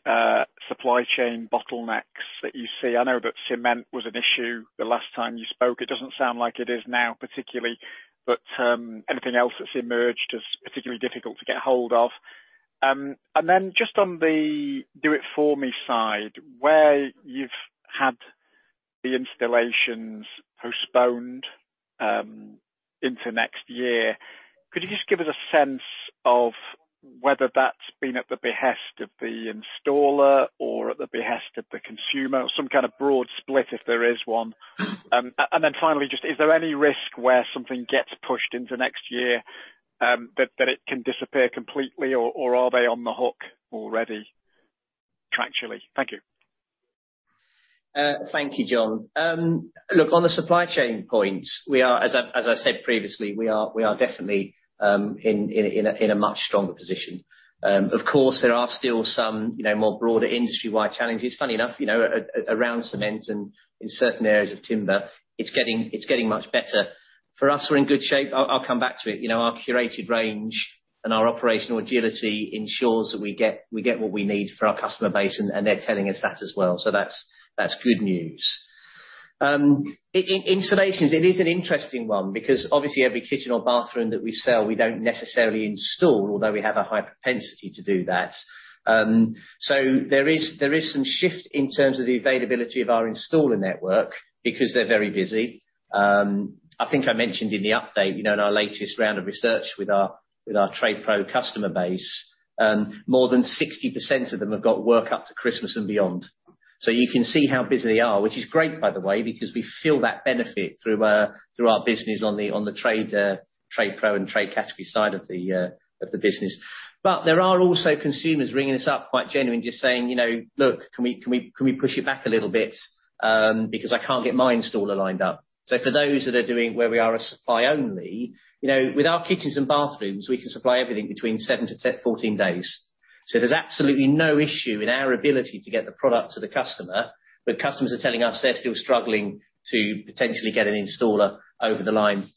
supply chain bottlenecks that you see. I know that cement was an issue the last time you spoke. It doesn't sound like it is now particularly, but anything else that's emerged as particularly difficult to get hold of? Just on the Do It For Me side, where you've had the installations postponed into next year, could you just give us a sense of whether that's been at the behest of the installer or at the behest of the consumer? Some kind of broad split if there is one. Finally, just is there any risk where something gets pushed into next year, that it can disappear completely, or are they on the hook already contractually? Thank you. Thank you, Jon. Look, on the supply chain points, as I said previously, we are definitely in a much stronger position. Of course, there are still some more broader industry-wide challenges. Funnily enough, around cement and in certain areas of timber. It's getting much better. For us, we're in good shape. I'll come back to it. Our curated range and our operational agility ensures that we get what we need for our customer base, and they're telling us that as well. That's good news. Installations, it is an interesting one because obviously every kitchen or bathroom that we sell, we don't necessarily install, although we have a high propensity to do that. There is some shift in terms of the availability of our installer network, because they're very busy. I think I mentioned in the update, in our latest round of research with our TradePro customer base, more than 60% of them have got work up to Christmas and beyond. You can see how busy they are, which is great by the way, because we feel that benefit through our business on the TradePro and trade category side of the business. There are also consumers ringing us up quite genuinely just saying, "Look, can we push it back a little bit, because I can't get my installer lined up?" For those that are doing where we are a supply only, with our kitchens and bathrooms, we can supply everything between 7 to 14 days. There's absolutely no issue in our ability to get the product to the customer, but customers are telling us they're still struggling to potentially get an installer over the line.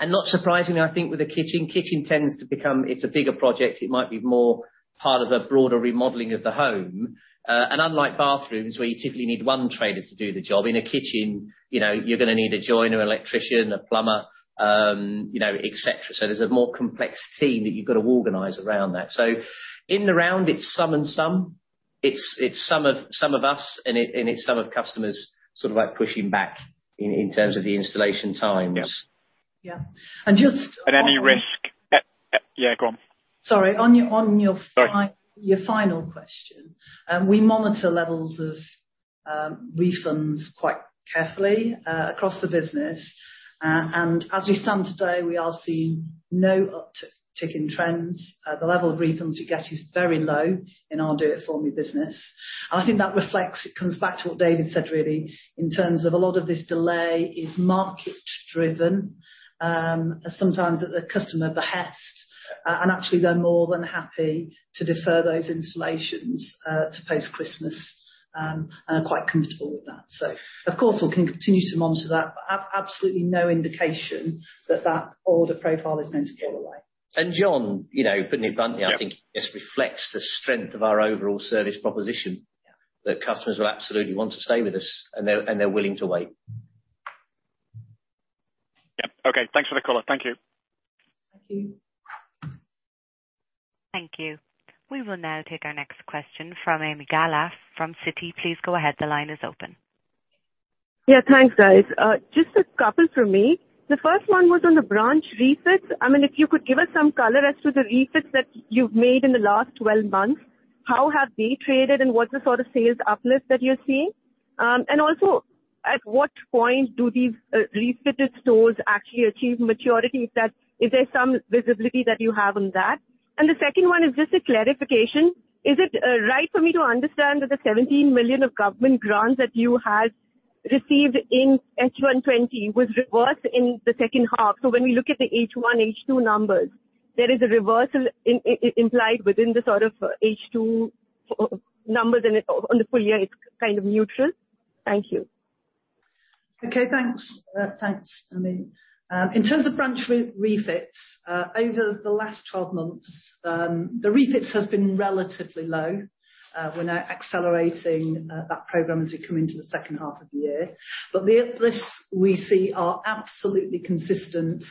Not surprisingly, I think with a kitchen, it's a bigger project. It might be more part of a broader remodeling of the home. Unlike bathrooms, where you typically need one trader to do the job, in a kitchen, you're going to need a joiner, electrician, a plumber, et cetera. There's a more complex team that you've got to organize around that. In the round, it's some and some. It's some of us, and it's some of customers pushing back in terms of the installation times. Yeah. Yeah. Any risk? Yeah, go on. Sorry. Sorry Your final question, we monitor levels of refunds quite carefully across the business. As we stand today, we are seeing no uptick in trends. The level of refunds we get is very low in our Do It For Me business. I think that reflects, it comes back to what David said, really, in terms of a lot of this delay is market driven, sometimes at the customer behest. Actually, they're more than happy to defer those installations to post-Christmas, and are quite comfortable with that. Of course, we'll continue to monitor that, but absolutely no indication that that order profile is going to peel away. Jon, putting it bluntly, I think this reflects the strength of our overall service proposition. Yeah that customers will absolutely want to stay with us, and they're willing to wait. Yep. Okay. Thanks for the color. Thank you. Thank you. Thank you. We will now take our next question from Ami Galla from Citi. Please go ahead. Yeah. Thanks, guys. Just a couple from me. The first one was on the branch refits. If you could give us some color as to the refits that you've made in the last 12 months, how have they traded and what's the sort of sales uplift that you're seeing? Also, at what point do these refitted stores actually achieve maturity? Is there some visibility that you have on that? The second one is just a clarification. Is it right for me to understand that the 17 million of government grants that you had received in H1 2020 was reversed in the second half? When we look at the H1, H2 numbers, there is a reversal implied within the H2 numbers, and on the full year, it's kind of neutral? Thank you. Okay. Thanks. Thanks, Ami. In terms of branch refits, over the last 12 months, the refits have been relatively low. We're now accelerating that program as we come into the second half of the year. The uplifts we see are absolutely consistent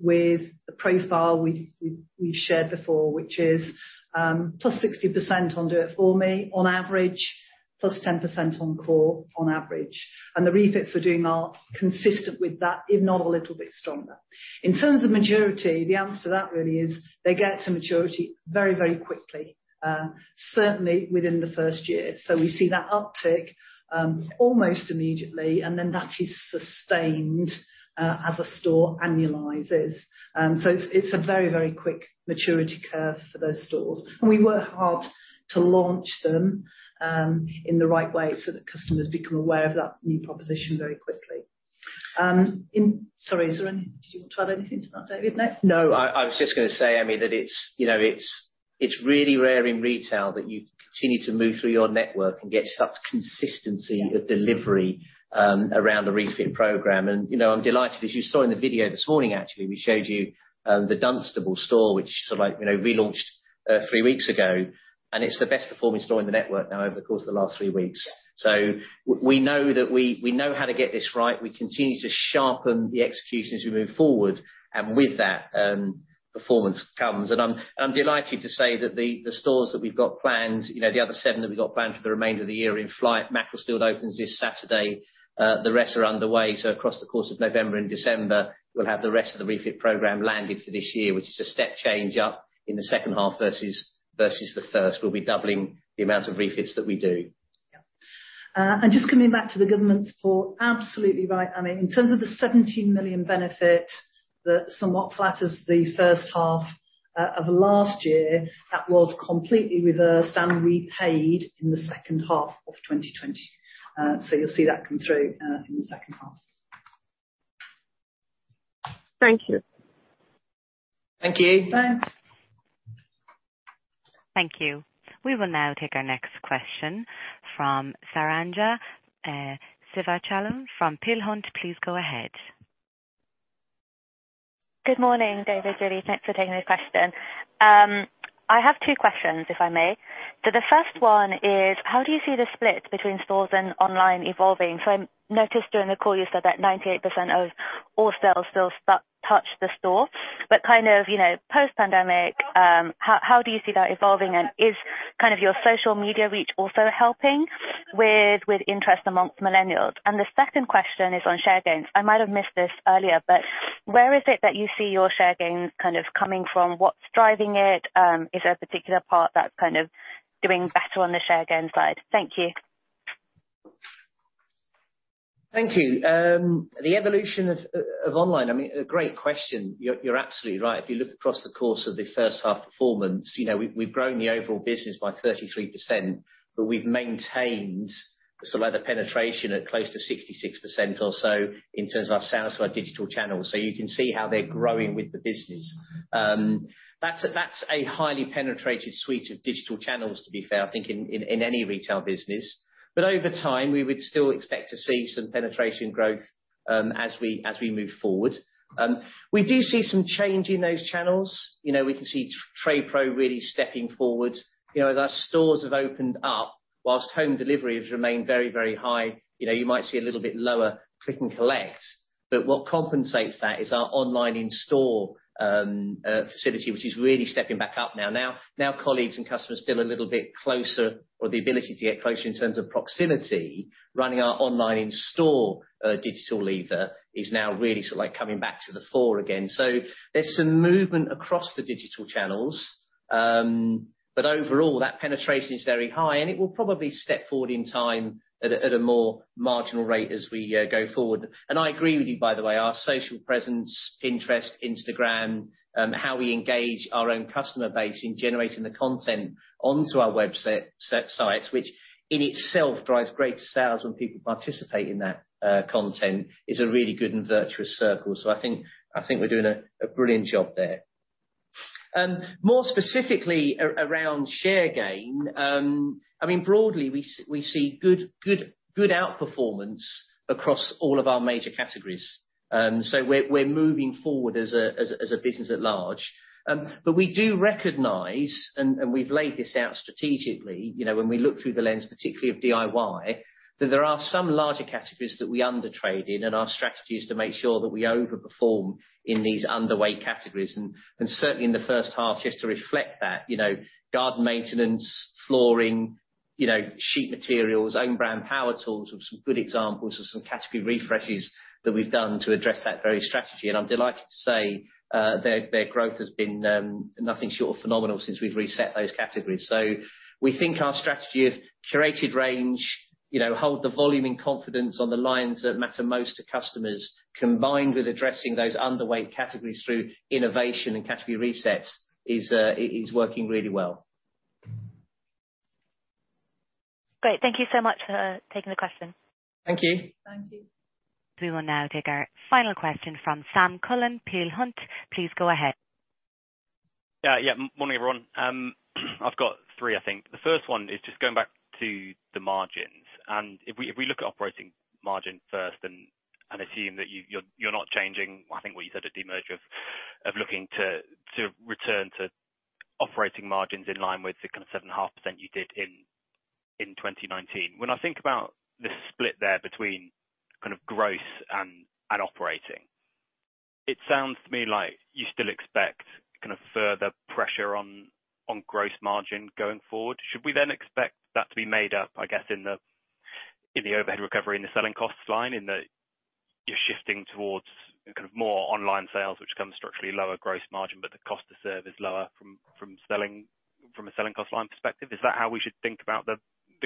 with the profile we've shared before, which is +60% on Do It For Me on average, +10% on core on average. The refits are doing consistent with that, if not a little bit stronger. In terms of maturity, the answer to that really is they get to maturity very quickly, certainly within the first year. We see that uptick almost immediately, and then that is sustained as a store annualizes. It's a very quick maturity curve for those stores. We work hard to launch them in the right way so that customers become aware of that new proposition very quickly. Sorry, did you want to add anything to that, David? No. No. I was just going to say, Ami, that it's really rare in retail that you continue to move through your network and get such consistency of delivery around a refit program. I'm delighted, as you saw in the video this morning actually, we showed you the Dunstable store, which relaunched three weeks ago, and it's the best performing store in the network now over the course of the last three weeks. We know how to get this right. We continue to sharpen the execution as we move forward, and with that, performance comes. I'm delighted to say that the stores that we've got planned, the other seven that we've got planned for the remainder of the year in flight, Macclesfield opens this Saturday, the rest are underway. Across the course of November and December, we'll have the rest of the refit program landed for this year, which is a step change up in the second half versus the first. We'll be doubling the amount of refits that we do. Yeah. Just coming back to the government support, absolutely right, Ami. In terms of the 17 million benefit that somewhat flatters the first half of last year, that was completely reversed and repaid in the second half of 2020. You'll see that come through in the second half. Thank you. Thank you. Thanks. Thank you. We will now take our next question from Saranja Sivachelvam from UBS. Please go ahead. Good morning, David, Julie. Thanks for taking the question. I have two questions, if I may. The first one is, how do you see the split between stores and online evolving? I noticed during the call you said that 98% of all sales still touch the store, but post-pandemic, how do you see that evolving? Is your social media reach also helping with interest amongst millennials? The second question is on share gains. I might have missed this earlier, but where is it that you see your share gains coming from? What's driving it? Is there a particular part that's doing better on the share gain side? Thank you. Thank you. The evolution of online, a great question. You're absolutely right. If you look across the course of the first half performance, we've grown the overall business by 33%, but we've maintained the penetration at close to 66% or so in terms of our sales through our digital channels. You can see how they're growing with the business. That's a highly penetrated suite of digital channels, to be fair, I think, in any retail business. Over time, we would still expect to see some penetration growth as we move forward. We do see some change in those channels. We can see TradePro really stepping forward. As our stores have opened up, whilst home delivery has remained very, very high, you might see a little bit lower click and collect, but what compensates that is our online in-store facility, which is really stepping back up now. Colleagues and customers feel a little bit closer or the ability to get closer in terms of proximity, running our online in-store digital lever is now really coming back to the fore again. There's some movement across the digital channels, but overall, that penetration is very high, and it will probably step forward in time at a more marginal rate as we go forward. I agree with you, by the way, our social presence, Pinterest, Instagram, how we engage our own customer base in generating the content onto our websites, which in itself drives greater sales when people participate in that content, is a really good and virtuous circle. I think we're doing a brilliant job there. More specifically around share gain, broadly, we see good outperformance across all of our major categories. We're moving forward as a business at large. We do recognize, and we've laid this out strategically when we look through the lens particularly of DIY, that there are some larger categories that we under-trade in, and our strategy is to make sure that we over-perform in these underweight categories. Certainly in the first half just to reflect that, garden maintenance, flooring, sheet materials, own brand power tools are some good examples of some category refreshes that we've done to address that very strategy. I'm delighted to say their growth has been nothing short of phenomenal since we've reset those categories. We think our strategy of curated range, hold the volume in confidence on the lines that matter most to customers, combined with addressing those underweight categories through innovation and category resets is working really well. Great. Thank you so much for taking the question. Thank you. Thank you. We will now take our final question from Sam Cullen, Peel Hunt. Please go ahead. Yeah. Morning, everyone. I've got three, I think. If we look at operating margin first and assume that you're not changing, I think what you said at de-merger of looking to return to operating margins in line with the kind of 7.5% you did in 2019. When I think about the split there between gross and operating, it sounds to me like you still expect further pressure on gross margin going forward. Should we expect that to be made up, I guess, in the overhead recovery in the selling costs line, in that you're shifting towards more online sales, which comes structurally lower gross margin, but the cost to serve is lower from a selling cost line perspective? Is that how we should think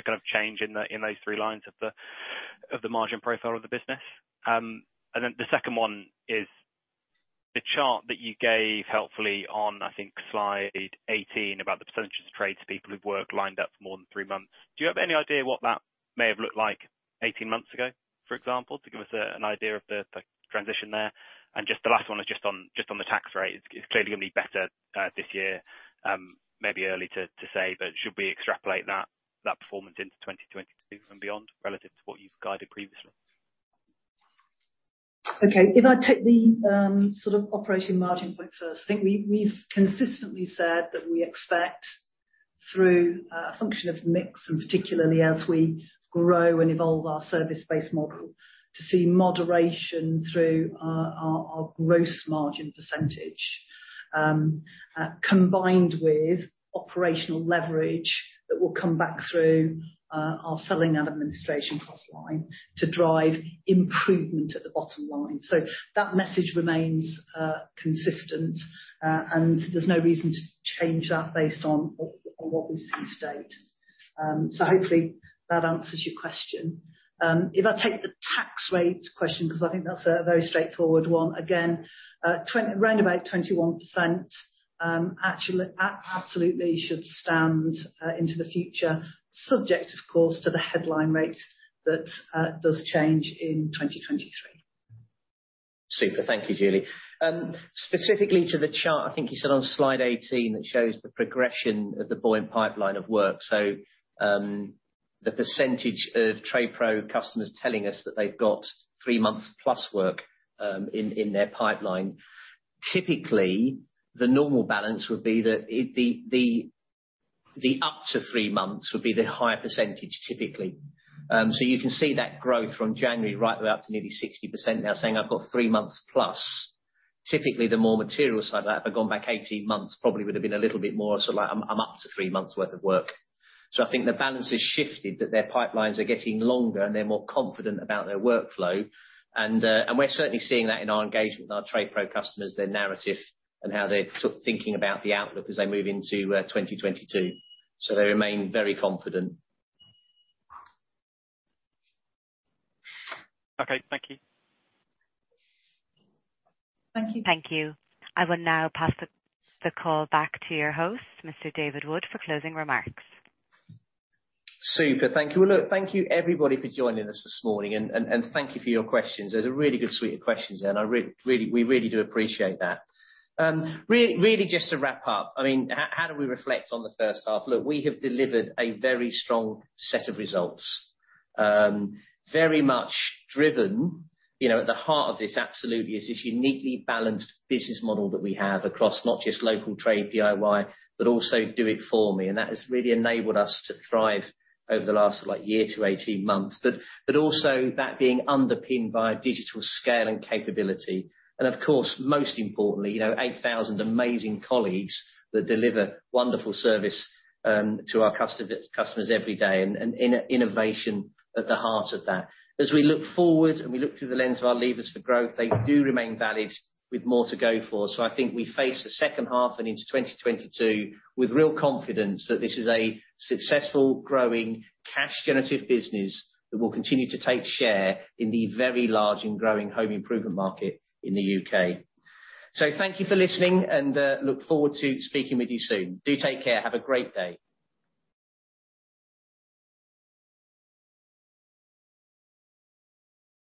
about the change in those three lines of the margin profile of the business? The second one is the chart that you gave helpfully on, I think, slide 18 about the percentage of tradespeople who've worked lined up for more than three months. Do you have any idea what that may have looked like 18 months ago, for example, to give us an idea of the transition there? The last one is just on the tax rate. It's clearly going to be better this year. Maybe early to say, but should we extrapolate that performance into 2022 and beyond relative to what you've guided previously? If I take the operating margin point first, I think we've consistently said that we expect through a function of mix, and particularly as we grow and evolve our service-based model, to see moderation through our gross margin percentage, combined with operational leverage that will come back through our selling and administration cost line to drive improvement at the bottom line. That message remains consistent, and there's no reason to change that based on what we've seen to date. Hopefully that answers your question. If I take the tax rate question, because I think that's a very straightforward one, again around about 21% absolutely should stand into the future, subject, of course, to the headline rate that does change in 2023. Super. Thank you, Julie. Specifically to the chart, I think you said on slide 18, that shows the progression of the buoyant pipeline of work. The percentage of TradePro customers telling us that they've got three months plus work in their pipeline. Typically, the normal balance would be that the up to three months would be the higher percentage, typically. You can see that growth from January right the way up to nearly 60% now saying, "I've got three months plus." Typically, the more material side of that, if I'd gone back 18 months, probably would've been a little bit more of, "I'm up to three months worth of work." I think the balance has shifted, that their pipelines are getting longer and they're more confident about their workflow. We're certainly seeing that in our engagement with our TradePro customers, their narrative and how they're thinking about the outlook as they move into 2022. They remain very confident. Okay, thank you. Thank you. Thank you. I will now pass the call back to your host, Mr. David Wood, for closing remarks. Super. Thank you. Thank you everybody for joining us this morning, and thank you for your questions. There's a really good suite of questions there, and we really do appreciate that. Really just to wrap up, how do we reflect on the first half? Look, we have delivered a very strong set of results. Very much driven, at the heart of this absolutely is this uniquely balanced business model that we have across not just local Trade DIY, but also Do It For Me. Also that being underpinned by digital scale and capability, and of course, most importantly, 8,000 amazing colleagues that deliver wonderful service to our customers every day, and innovation at the heart of that. As we look forward and we look through the lens of our levers for growth, they do remain valid with more to go for. I think we face the second half and into 2022 with real confidence that this is a successful, growing, cash-generative business that will continue to take share in the very large and growing home improvement market in the U.K. Thank you for listening and look forward to speaking with you soon. Do take care. Have a great day.